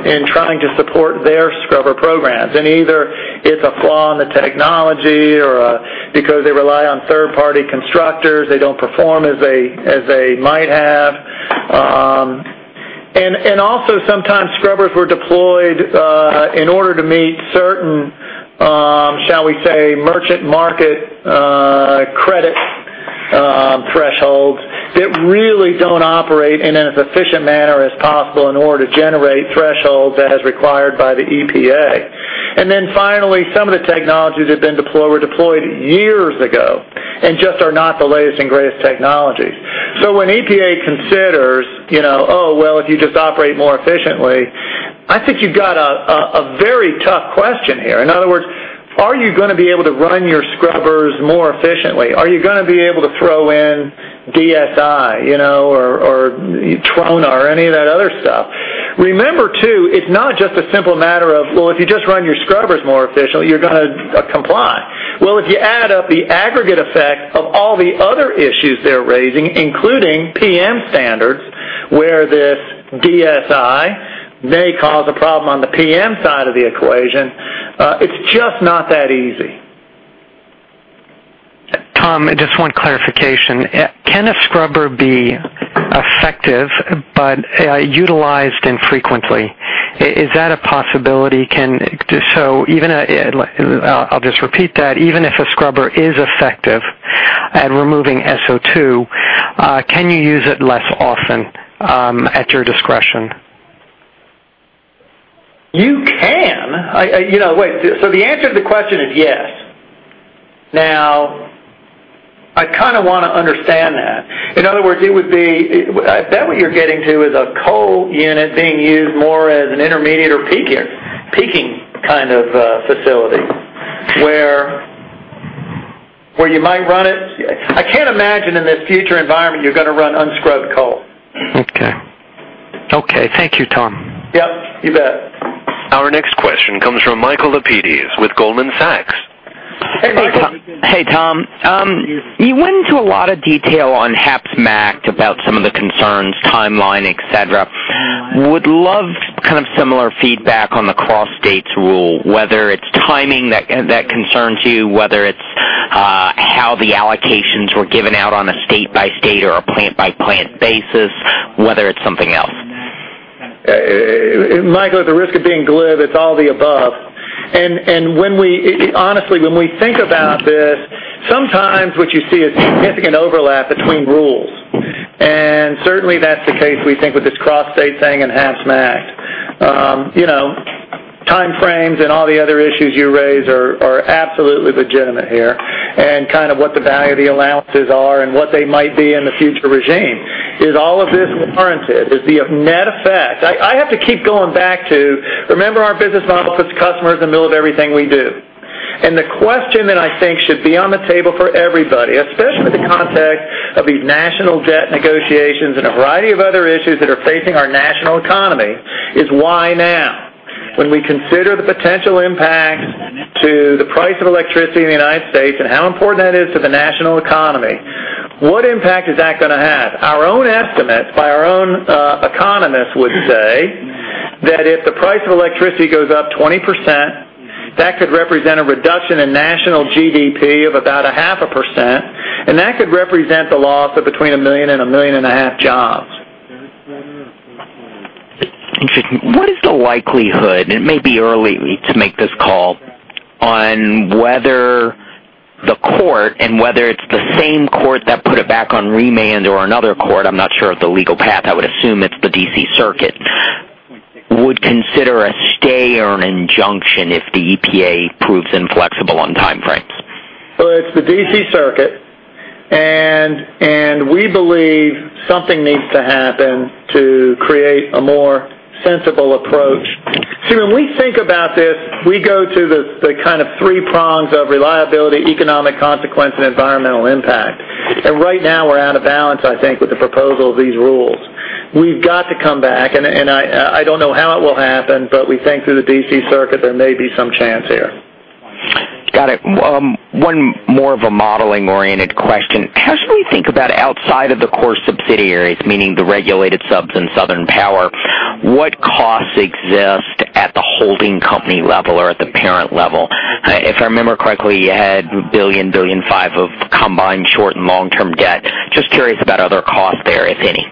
in trying to support their scrubber programs. Either it's a flaw in the technology or because they rely on third-party constructors, they don't perform as they might have. Also, sometimes scrubbers were deployed in order to meet certain, shall we say, merchant market credit thresholds that really don't operate in an efficient manner as possible in order to generate thresholds as required by the EPA. Finally, some of the technologies that have been deployed were deployed years ago and just are not the latest and greatest technology. When EPA considers, you know, oh, if you just operate more efficiently, I think you've got a very tough question here. In other words, are you going to be able to run your scrubbers more efficiently? Are you going to be able to throw in DSI, you know, or TRONA, or any of that other stuff? Remember too, it's not just a simple matter of, if you just run your scrubbers more efficiently, you're going to comply. If you add up the aggregate effect of all the other issues they're raising, including PM standards, where this DSI may cause a problem on the PM side of the equation, it's just not that easy. Tom, I just want clarification. Can a scrubber be effective but utilized infrequently? Is that a possibility? Even if a scrubber is effective at removing SO2, can you use it less often at your discretion? You know, so the answer to the question is yes. I kind of want to understand that. In other words, it would be, I bet what you're getting to is a coal unit being used more as an intermediate or peaking kind of facility where you might run it. I can't imagine in this future environment you're going to run unscrubbed coal. Okay. Okay, thank you, Tom. Yep, you bet. Our next question comes from Michael Lapidus with Goldman Sachs. Hey, Tom. You went into a lot of detail on HAPS-MACT about some of the concerns, timeline, etc. Would love kind of similar feedback on the Cross-State Rule, whether it's timing that concerns you, whether it's how the allocations were given out on a state-by-state or a plant-by-plant basis, whether it's something else. Michael, at the risk of being glib, it's all the above. When we, honestly, think about this, sometimes what you see is you can't think of an overlap between rules. Certainly, that's the case we think with this Cross-State Air thing and HAPS-MACT. Timeframes and all the other issues you raise are absolutely legitimate here. What the value of the allowances are and what they might be in the future regime is also a consideration. Is all of this warranted? Is the net effect? I have to keep going back to, remember our business model puts customers in the middle of everything we do. The question that I think should be on the table for everybody, assessed with the context of these national debt negotiations and a variety of other issues that are facing our national economy, is why now? When we consider the potential impact to the price of electricity in the United States and how important that is for the national economy, what impact is that going to have? Our own estimates by our own economists would say that if the price of electricity goes up 20%, that could represent a reduction in national GDP of about 0.5%. That could represent the loss of between one million and 1.5 million jobs. What is the likelihood, and it may be early to make this call, on whether the court, and whether it's the same court that put it back on remand or another court, I'm not sure of the legal path. I would assume it's the DC Circuit, would consider a stay or an injunction if the EPA proves inflexible on timeframes? It is the DC Circuit. We believe something needs to happen to create a more sensible approach. See, when we think about this, we go through the kind of three prongs of reliability, economic consequence, and environmental impact. Right now, we're out of balance, I think, with the proposal of these rules. We've got to come back, and I don't know how it will happen, but we think through the DC Circuit, there may be some chance here. Got it. One more of a modeling-oriented question. As we think about outside of the core subsidiaries, meaning the regulated subs and Southern Power, what costs exist at the holding company level or at the parent level? If I remember correctly, you had $1 billion, $1.5 billion of combined short and long-term debt. Just curious about other costs there, if any.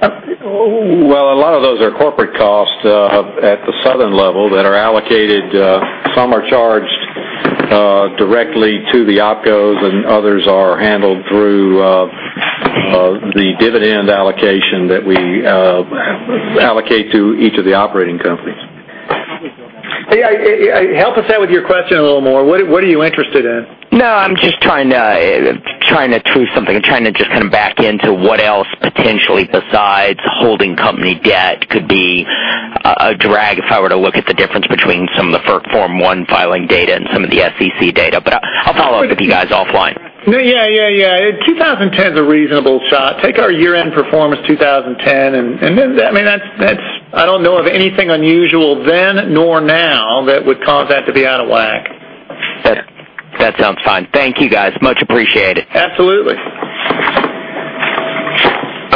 A lot of those are corporate costs at the Southern level that are allocated. Some are charged directly to the opcos, and others are handled through the dividend allocation that we allocate to each of the operating companies. Help us out with your question a little more. What are you interested in? I'm trying to prove something. I'm trying to just kind of back into what else potentially besides holding company debt could be a drag if I were to look at the difference between some of the FERC Form 1 filing data and some of the SEC data. I'll follow up with you guys offline. 2010 is a reasonable thought. Take our year-end performance in 2010, and I mean, I don't know of anything unusual then nor now that would cause that to be out of whack. That sounds fine. Thank you, guys. Much appreciated. Absolutely.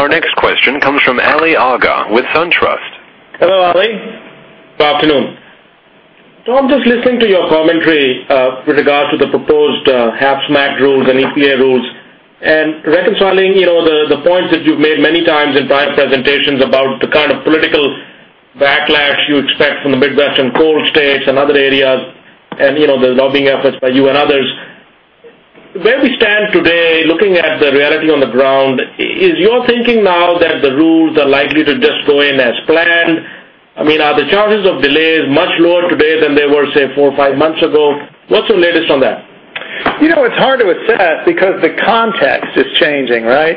Our next question comes from Ali Agha with SunTrust. Hello, Ali. Good afternoon. I'm just listening to your commentary with regard to the proposed HAPS-MACT rules and EPA rules and reconciling the points that you've made many times in prior presentations about the kind of political backlash you expect from the Midwestern coal states and other areas and the lobbying efforts by you and others. Where we stand today, looking at the reality on the ground, is your thinking now that the rules are likely to just go in as planned? I mean, are the charges of delays much lower today than they were, say, four or five months ago? What's the latest on that? It's hard to assess because the context is changing, right?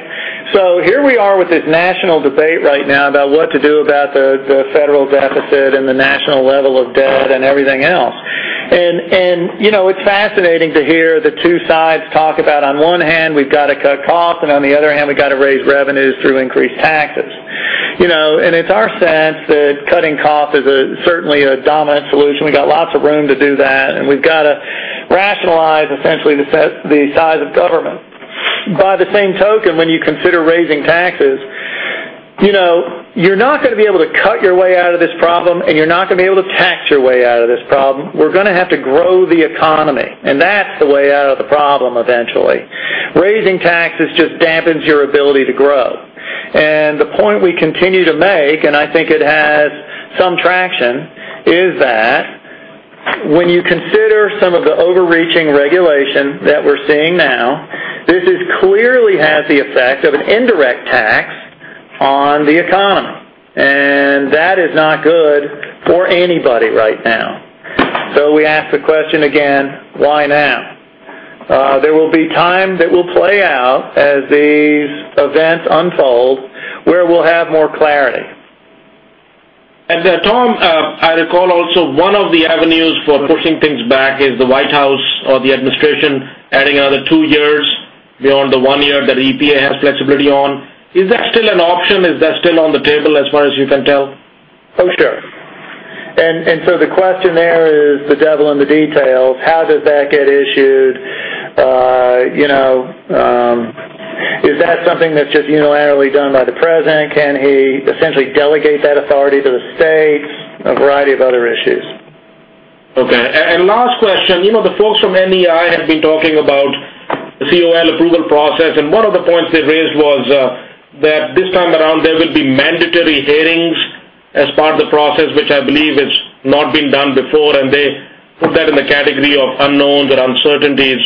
Here we are with this national debate right now about what to do about the federal deficit and the national level of debt and everything else. It's fascinating to hear the two sides talk about, on one hand, we've got to cut costs, and on the other hand, we've got to raise revenues through increased taxes. It's our sense that cutting costs is certainly a dominant solution. We've got lots of room to do that, and we've got to rationalize essentially the size of government. By the same token, when you consider raising taxes, you know you're not going to be able to cut your way out of this problem, and you're not going to be able to tax your way out of this problem. We're going to have to grow the economy, and that's the way out of the problem eventually. Raising taxes just dampens your ability to grow. The point we continue to make, and I think it has some traction, is that when you consider some of the overreaching regulation that we're seeing now, this clearly has the effect of an indirect tax on the economy. That is not good for anybody right now. We ask the question again, why now? There will be time that will play out as these events unfold where we'll have more clarity. Tom, I recall also one of the avenues for pushing things back is the White House or the administration adding another two years beyond the one year that EPA has flexibility on. Is that still an option? Is that still on the table as far as you can tell? Sure. The question there is the devil in the details. How does that get issued? Is that something that's just unilaterally done by the president? Can he essentially delegate that authority to the states? A variety of other issues. Okay. Last question, you know the folks from NEI have been talking about the COL approval process, and one of the points they raised was that this time around there would be mandatory hearings as part of the process, which I believe has not been done before, and they put that in the category of unknowns or uncertainties.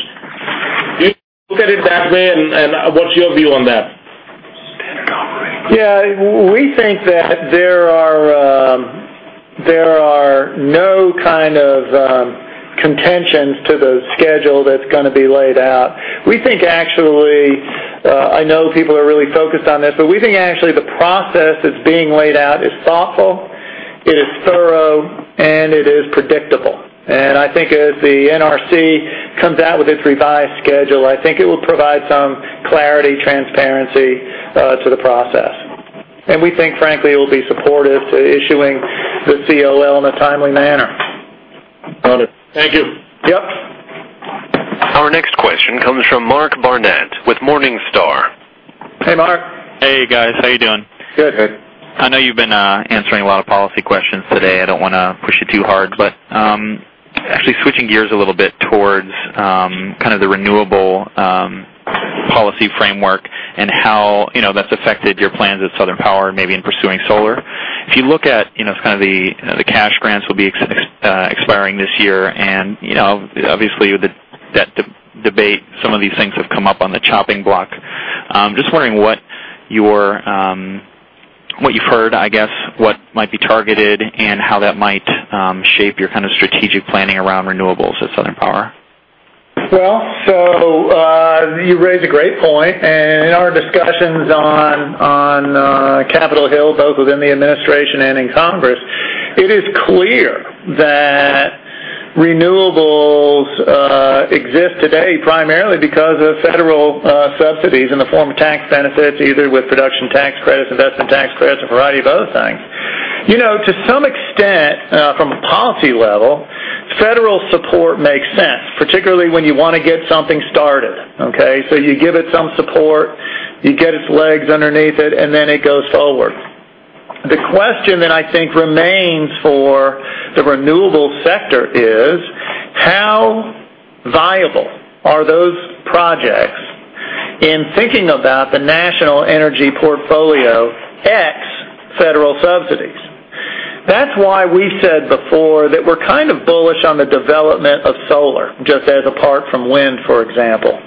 Do you look at it that way, and what's your view on that? Yeah, we think that there are no kind of contentions to the schedule that's going to be laid out. We think, actually, I know people are really focused on this, but we think the process that's being laid out is thoughtful, thorough, and predictable. I think as the NRC comes out with its revised schedule, it will provide some clarity and transparency to the process. We think, frankly, it will be supportive to issuing the COL in a timely manner. Got it. Thank you. Yep. Our next question comes from Mark Barnett with Morningstar. Hey, Mark. Hey, guys. How you doing? Good. Good. I know you've been answering a lot of policy questions today. I don't want to push it too hard, but actually switching gears a little bit towards kind of the renewable policy framework and how, you know, that's affected your plans at Southern Power, maybe in pursuing solar. If you look at, you know, it's kind of the, you know, the cash grants will be expiring this year, and, you know, obviously, with the debate some of these things have come up on the chopping block. Just wondering what you've heard, I guess, what might be targeted and how that might shape your kind of strategic planning around renewables at Southern Power. You raise a great point. In our discussions on Capitol Hill, both within the administration and in Congress, it is clear that renewables exist today primarily because of federal subsidies in the form of tax benefits, either with production tax credits, investment tax credits, a variety of other things. To some extent, from a policy level, federal support makes sense, particularly when you want to get something started, okay? You give it some support, you get its legs underneath it, and then it goes forward. The question that I think remains for the renewable sector is how viable are those projects in thinking about the national energy portfolio ex-federal subsidies? That's why we said before that we're kind of bullets on the development of solar, just as apart from wind, for example.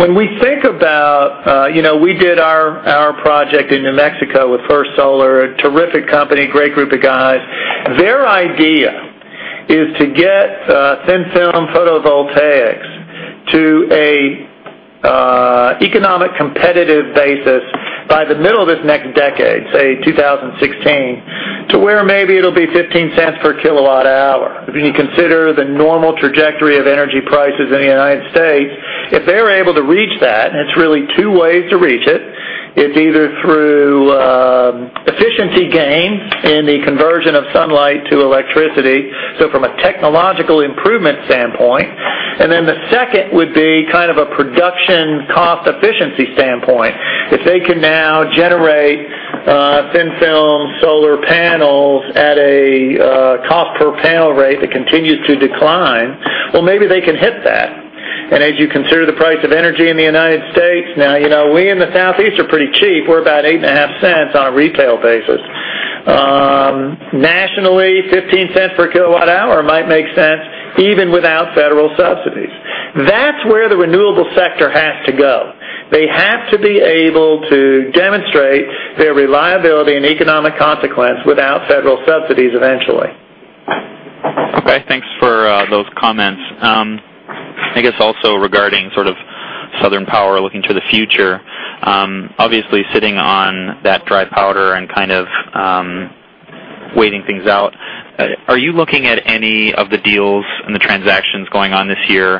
When we think about, you know, we did our project in New Mexico with First Solar, a terrific company, great group of guys. Their idea is to get thin film photovoltaics to an economic competitive basis by the middle of this next decade, say 2016, to where maybe it'll be $0.15 per KW hour. I mean, you consider the normal trajectory of energy prices in the United States. If they're able to reach that, and it's really two ways to reach it. It's either through efficiency gains in the conversion of sunlight to electricity, so from a technological improvement standpoint, and then the second would be kind of a production cost efficiency standpoint. If they can now generate thin film solar panels at a cost per panel rate that continues to decline, maybe they can hit that. As you consider the price of energy in the United States, now, you know, we in the Southeast are pretty cheap. We're about $0.085 on a retail basis. Nationally, $0.15 per KW hour might make sense even without federal subsidies. That's where the renewable sector has to go. They have to be able to demonstrate their reliability and economic consequence without federal subsidies eventually. Okay. Thanks for those comments. I guess also regarding sort of Southern Power looking to the future, obviously sitting on that dry powder and kind of waiting things out. Are you looking at any of the deals and the transactions going on this year,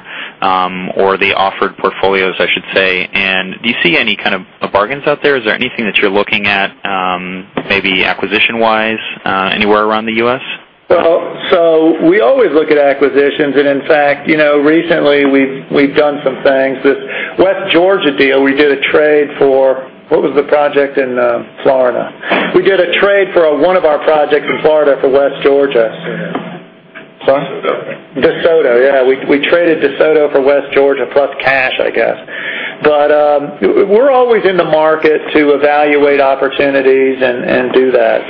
or the offered portfolios, I should say, and do you see any kind of bargains out there? Is there anything that you're looking at, maybe acquisition-wise, anywhere around the U.S.? We always look at acquisitions, and in fact, recently we've done some things with the West Georgia deal. We did a trade for what was the project in Florida? We did a trade for one of our projects in Florida for West Georgia. DETHOTO. Yeah, we traded DETHOTO for West Georgia plus CAT, I guess. We're always in the market to evaluate opportunities and do that.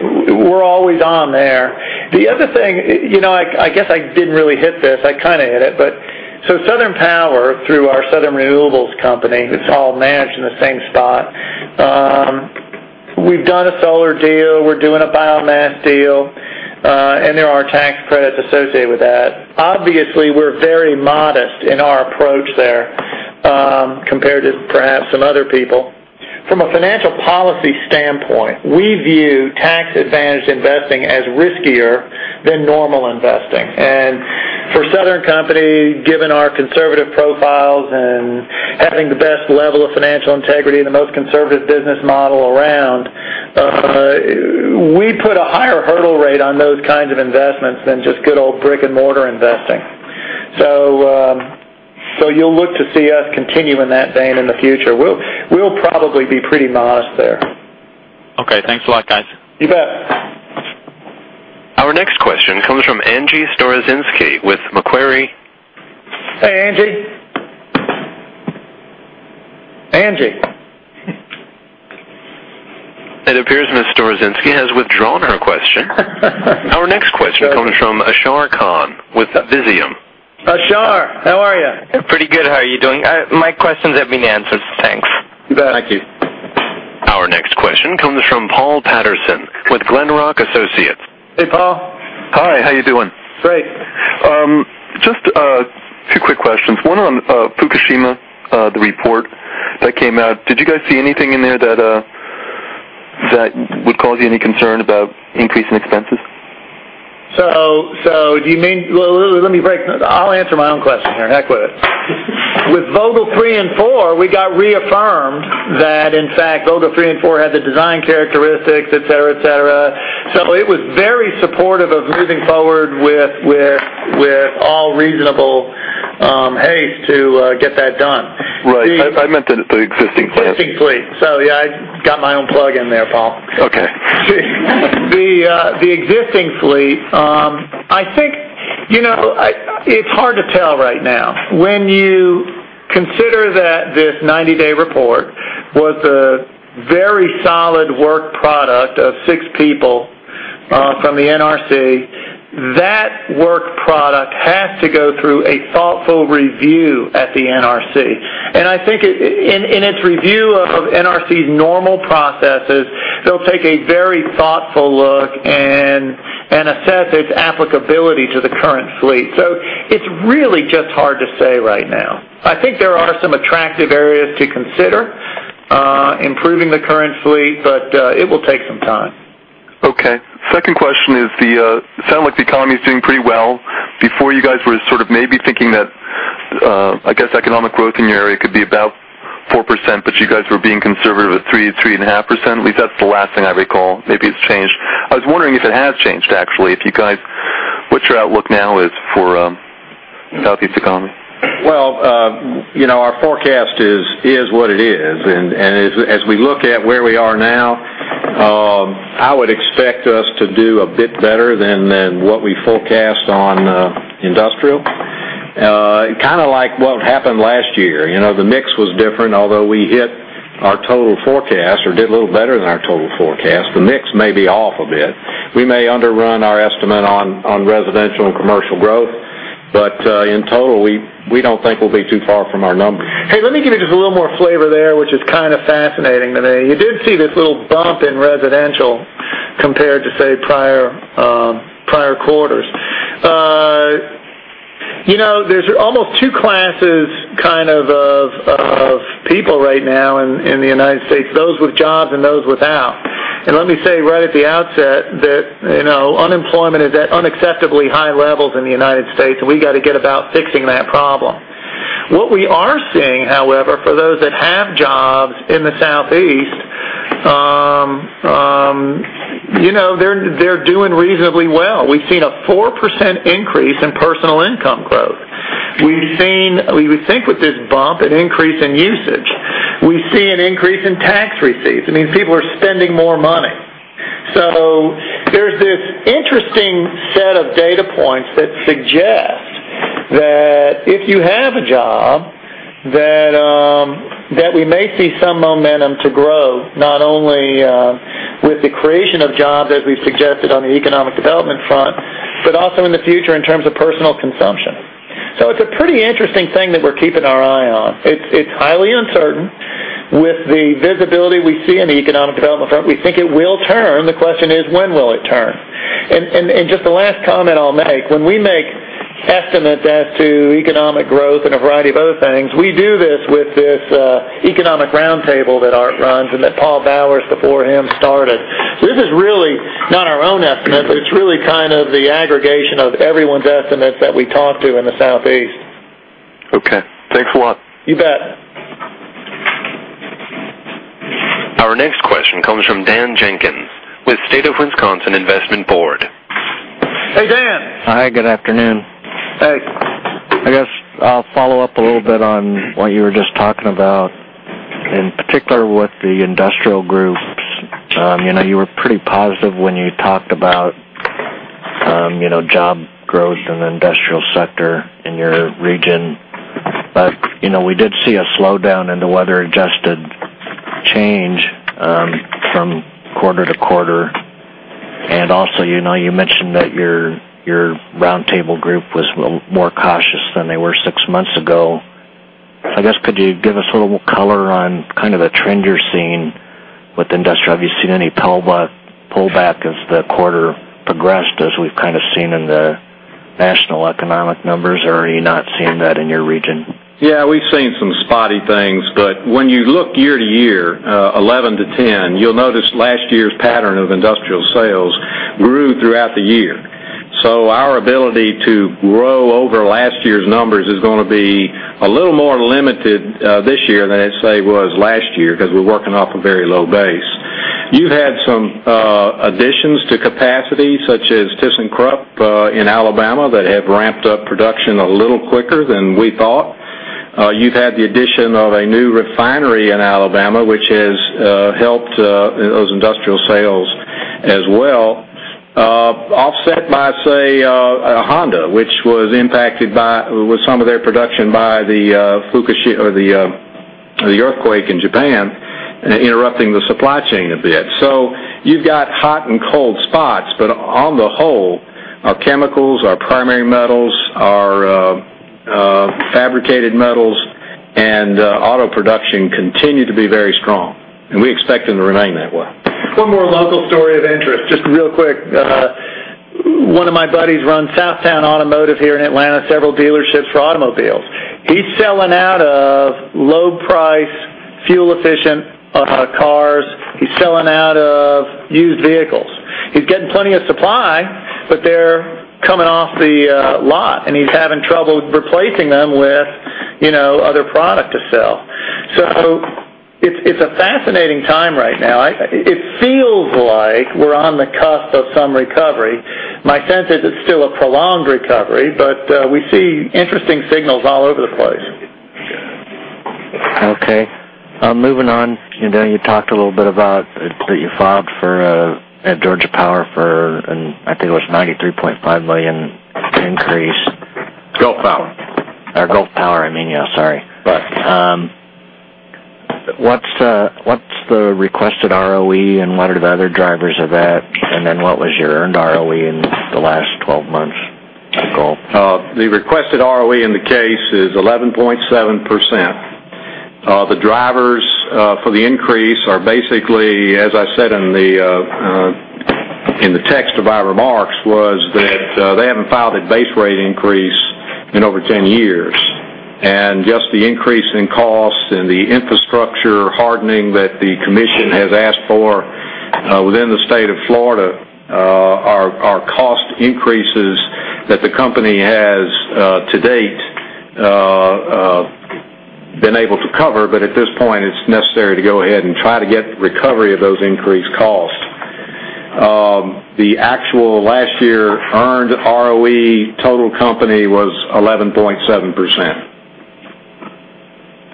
We're always on there. The other thing, I guess I didn't really hit this. I kind of hit it, but Southern Power, through our Southern Renewables Company, it's all managed in the same spot. We've done a solar deal. We're doing a biomass deal, and there are tax credits associated with that. Obviously, we're very modest in our approach there, compared to perhaps some other people. From a financial policy standpoint, we view tax-advantaged investing as riskier than normal investing. For Southern Company, given our conservative profiles and having the best level of financial integrity and the most conservative business model around, we put a higher hurdle rate on those kinds of investments than just good old brick-and-mortar investing. You'll look to see us continue in that vein in the future. We'll probably be pretty modest there. Okay, thanks a lot, guys. You bet. Our next question comes from Agnie Storozynski with Macquarie Research. Hey, Agnie. Agnie. It appears Ms. Storozynski has withdrawn her question. Our next question comes from Ashar Khan with Vizium. Ashar, how are you? Pretty good. How are you doing? My questions have been answered. Thanks. You bet. Thank you. Our next question comes from Paul Patterson with Glenrock Associates. Hey, Paul. Hi, how are you doing? Great. Just two quick questions. One on Fukushima, the report that came out. Did you guys see anything in there that would cause you any concern about increasing expenses? Do you mean, let me break. I'll answer my own question here and heck with it. With Vogtle Units 3 and 4, we got reaffirmed that, in fact, Vogtle Units 3 and 4 had the design characteristics, etc., etc. It was very supportive of moving forward with all reasonable haste to get that done. Right. I meant that the existing plan. The existing fleet. Yeah, I got my own plug in there, Paul. Okay. The existing fleet, I think, you know, it's hard to tell right now. When you consider that this 90-day report was a very solid work product of six people from the NRC, that work product has to go through a thoughtful review at the NRC. I think in its review of NRC's normal processes, they'll take a very thoughtful look and assess its applicability to the current fleet. It's really just hard to say right now. I think there are some attractive areas to consider, improving the current fleet, but it will take some time. Okay. Second question is, sounds like the economy is doing pretty well. Before, you guys were sort of maybe thinking that, I guess economic growth in your area could be about 4%, but you guys were being conservative at 3%, 3.5%. At least that's the last thing I recall. Maybe it's changed. I was wondering if it has changed, actually, if you guys, what your outlook now is for the Southeast economy. Our forecast is what it is. As we look at where we are now, I would expect us to do a bit better than what we forecast on industrial, kind of like what happened last year. The mix was different, although we hit our total forecast or did a little better than our total forecast. The mix may be off a bit. We may underrun our estimate on residential and commercial growth. In total, we don't think we'll be too far from our numbers. Hey, let me give you just a little more flavor there, which is kind of fascinating. I mean, you did see this little bump in residential compared to, say, prior quarters. You know, there's almost two classes of people right now in the United States, those with jobs and those without. Let me say right at the outset that unemployment is at unacceptably high levels in the United States, and we got to get about fixing that problem. What we are seeing, however, for those that have jobs in the Southeast, they're doing reasonably well. We've seen a 4% increase in personal income growth. We've seen, we would think with this bump, an increase in usage. We see an increase in tax receipts. I mean, these people are spending more money. There's this interesting set of data points that suggest that if you have a job, we may see some momentum to grow, not only with the creation of jobs, as we've suggested on the economic development front, but also in the future in terms of personal consumption. It's a pretty interesting thing that we're keeping our eye on. It's highly uncertain with the visibility we see in the economic development front. We think it will turn. The question is, when will it turn? Just the last comment I'll make, when we make estimates as to economic growth and a variety of other things, we do this with this economic roundtable that Art runs and that Paul Bowers before him started. This is really not our own estimate, but it's really kind of the aggregation of everyone's estimates that we talk to in the Southeast. Okay, thanks a lot. You bet. Our next question comes from Dan Jenkins with State of Wisconsin Investment Board. Dan. Hi, good afternoon. Hey. I guess I'll follow up a little bit on what you were just talking about, in particular with the industrial group. You know, you were pretty positive when you talked about, you know, job growth in the industrial sector in your region. However, we did see a slowdown in the weather-adjusted change from quarter to quarter. Also, you mentioned that your roundtable group was a little more cautious than they were six months ago. I guess could you give us a little more color on kind of the trend you're seeing with industrial? Have you seen any pullback as the quarter progressed, as we've kind of seen in the national economic numbers, or are you not seeing that in your region? Yeah. We've seen some spotty things, but when you look year to year, 2011-2010, you'll notice last year's pattern of industrial sales grew throughout the year. Our ability to grow over last year's numbers is going to be a little more limited this year than it, say, was last year because we're working off a very low base. You've had some additions to capacity, such as ThyssenKrupp in Alabama, that have ramped up production a little quicker than we thought. You've had the addition of a new refinery in Alabama, which has helped those industrial sales as well. Off that, you might say, a Honda, which was impacted by some of their production by the Fukushima or the earthquake in Japan, interrupting the supply chain a bit. You've got hot and cold spots, but on the whole, our chemicals, our primary metals, our fabricated metals, and auto production continue to be very strong. We expect them to remain that way. Some more local story of interest, just real quick. One of my buddies runs South Sound Automotive here in Atlanta, several dealerships for automobile. He's selling out of low-price, fuel-efficient cars. He's selling out of used vehicles. He's getting plenty of supply, but they're coming off the lot, and he's having trouble replacing them with, you know, other products to sell. It's a fascinating time right now. It feels like we're on the cusp of some recovery. My sense is it's still a prolonged recovery, but we see interesting signals all over the place. Okay, moving on, you talked a little bit about that you filed for, at Georgia Power, and I think it was a $93.5 million increase. Gulf Power. Gulf Power, I mean, yeah, sorry. Right. What's the requested ROE and what are the other drivers of that? What was your earned ROE in the last 12 months with Gulf? The requested ROE in the case is 11.7%. The drivers for the increase are basically, as I said in the text of our remarks, that they haven't filed a base rate increase in over 10 years. Just the increase in cost and the infrastructure hardening that the commission has asked for within the State of Florida are cost increases that the company has, to date, been able to cover. At this point, it's necessary to go ahead and try to get the recovery of those increased costs. The actual last year earned ROE total company was 11.7%.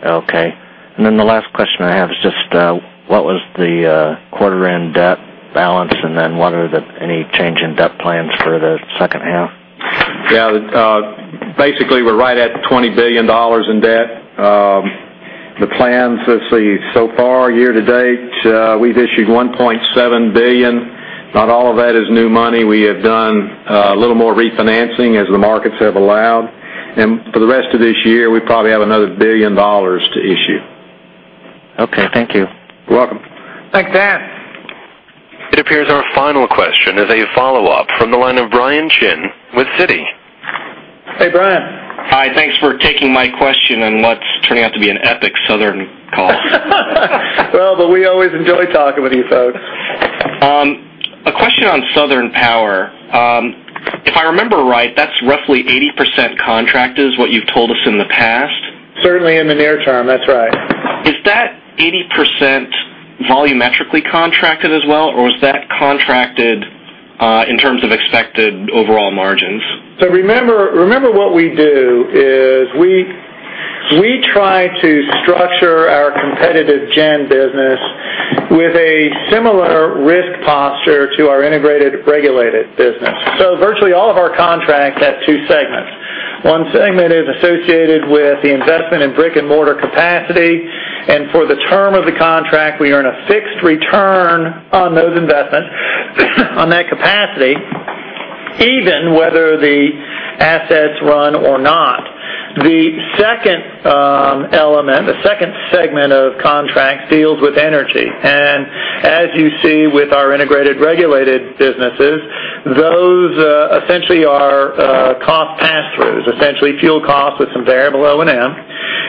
Okay. The last question I have is just, what was the quarter-end debt balance, and then are there any changes in debt plans for the second half? Yeah. Basically, we're right at $20 billion in debt. The plans, let's see, so far year to date, we've issued $1.7 billion. Not all of that is new money. We have done a little more refinancing as the markets have allowed. For the rest of this year, we probably have another $1 billion to issue. Okay, thank you. You're welcome. Thank Dan. It appears our final question is a follow-up from the line of Brian Shin with Citi. Hey, Brian. Hi. Thanks for taking my question and what's turning out to be an epic Southern Company call. We always enjoy talking with you, folks. A question on Southern Power. If I remember right, that's roughly 80% contracted is what you've told us in the past. Certainly in the near term, that's right. Is that 80% volumetrically contracted as well, or was that contracted in terms of expected overall margins? Remember what we do is we try to structure our competitive gen business with a similar risk posture to our integrated regulated business. Virtually all of our contracts have two segments. One segment is associated with the investment in brick-and-mortar capacity, and for the term of the contract, we earn a fixed return on those investments, on that capacity, even whether the assets run or not. The second element, the second segment of contracts deals with energy. As you see with our integrated regulated businesses, those essentially are cost pass-throughs, essentially fuel costs with some variable O&M.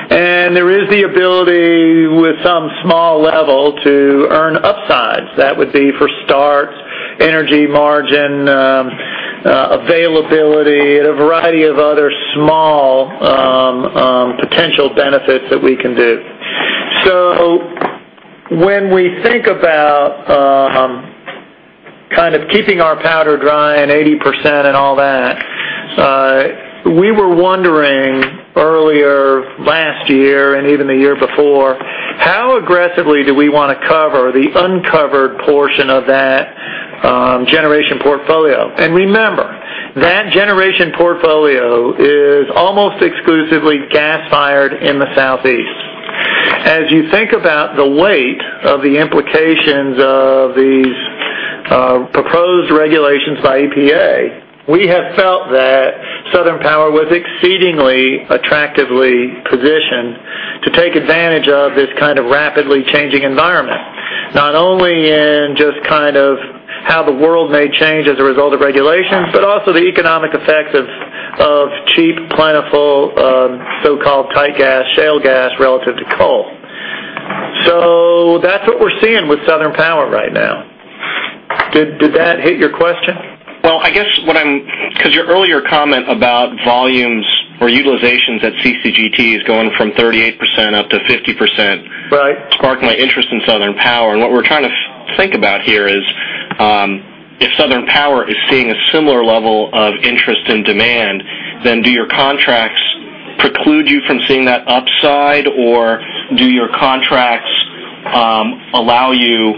There is the ability with some small level to earn upsides. That would be for starts, energy margin, availability, and a variety of other small, potential benefits that we can do. When we think about kind of keeping our powder dry and 80% and all that, we were wondering earlier last year and even the year before, how aggressively do we want to cover the uncovered portion of that generation portfolio? Remember, that generation portfolio is almost exclusively gas-fired in the Southeast. As you think about the weight of the implications of the proposed regulations by EPA, we have felt that Southern Power was exceedingly attractively positioned to take advantage of this kind of rapidly changing environment, not only in just kind of how the world may change as a result of regulations, but also the economic effects of cheap, plentiful, so-called tight gas, sale gas relative to coal. That's what we're seeing with Southern Power right now. Did that hit your question? I guess what I'm, because your earlier comment about volumes or utilizations at CCGT is going from 38%-50%. Right. Sparking my interest in Southern Power. What we're trying to think about here is, if Southern Power is seeing a similar level of interest in demand, do your contracts preclude you from seeing that upside, or do your contracts allow you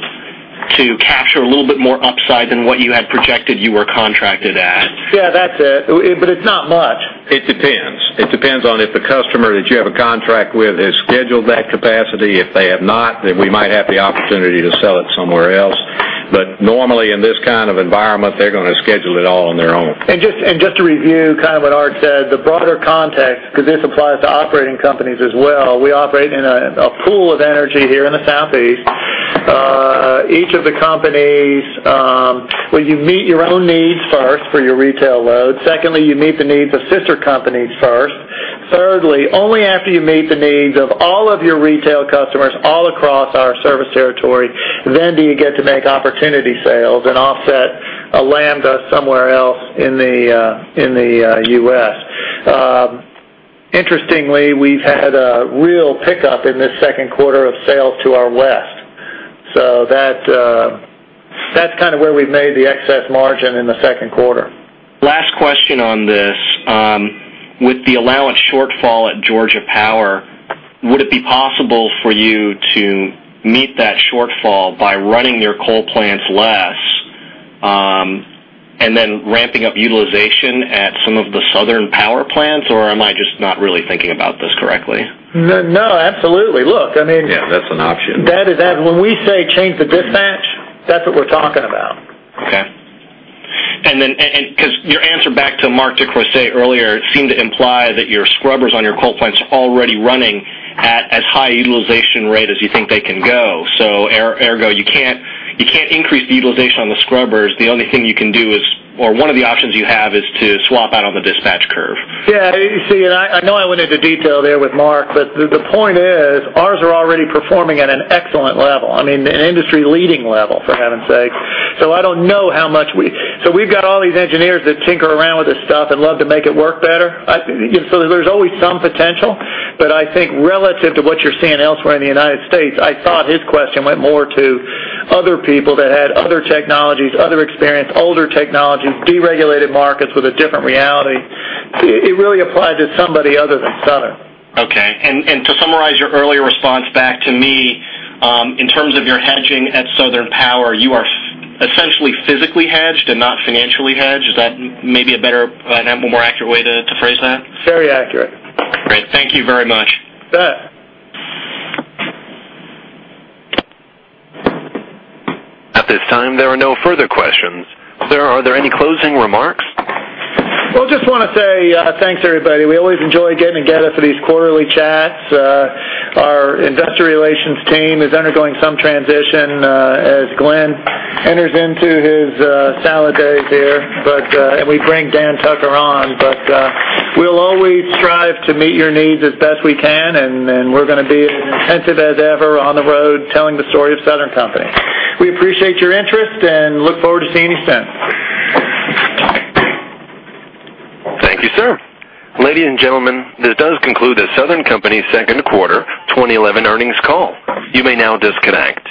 to capture a little bit more upside than what you had projected you were contracted at? Yeah, that's it. It's not much. It depends. It depends on if the customer that you have a contract with has scheduled that capacity. If they have not, we might have the opportunity to sell it somewhere else. Normally, in this kind of environment, they're going to schedule it all on their own. Just to review kind of what Art said, the broader context, because this applies to operating companies as well, we operate in a pool of energy here in the Southeast. Each of the companies, you meet your own needs first for your retail load. Secondly, you meet the needs of sister companies first. Thirdly, only after you meet the needs of all of your retail customers all across our service territory, do you get to make opportunity sales and offset a lambda somewhere else in the U.S. Interestingly, we've had a real pickup in this second quarter of sales to our west. That's kind of where we've made the excess margin in the second quarter. Last question on this, with the allowance shortfall at Georgia Power, would it be possible for you to meet that shortfall by running your coal plants less and then ramping up utilization at some of the Southern Power plants, or am I just not really thinking about this correctly? No, absolutely. Look, I mean. Yeah, that's an option. That is absolutely right. When we say change the dispatch, that's what we're talking about. Okay. Because your answer back to Mark Crosswhite earlier, it seemed to imply that your scrubbers on your coal plants are already running at as high a utilization rate as you think they can go. Ergo, you can't increase the utilization on the scrubbers. The only thing you can do is, or one of the options you have is to swap out on the dispatch curve. Yeah, and I know I went into detail there with Mark, but the point is, ours are already performing at an excellent level, I mean, an industry-leading level, for heaven's sake. I don't know how much we, we've got all these engineers that tinker around with this stuff and love to make it work better. There's always some potential, but I think relative to what you're seeing elsewhere in the United States, I thought his question went more to other people that had other technologies, other experience, older technologies, deregulated markets with a different reality. It really applies to somebody other than Southern Company. Okay. To summarize your earlier response back to me, in terms of your hedging at Southern Power, you are essentially physically hedged and not financially hedged. Is that maybe a better, and more accurate way to phrase that? Very accurate. Great. Thank you very much. You bet. At this time, there are no further questions. Sir, are there any closing remarks? I just want to say, thanks everybody. We always enjoy getting together for these quarterly chats. Our Investor Relations team is undergoing some transition, as Glen enters into his salad days here and we bring Dan Tucker on, but we'll always strive to meet your needs as best we can, and we're going to be attentive as ever on the road telling the story of Southern Company. We appreciate your interest and look forward to seeing you soon. Thank you, sir. Ladies and gentlemen, this does conclude The Southern Company's Second Quarter 2011 Earnings Call. You may now disconnect.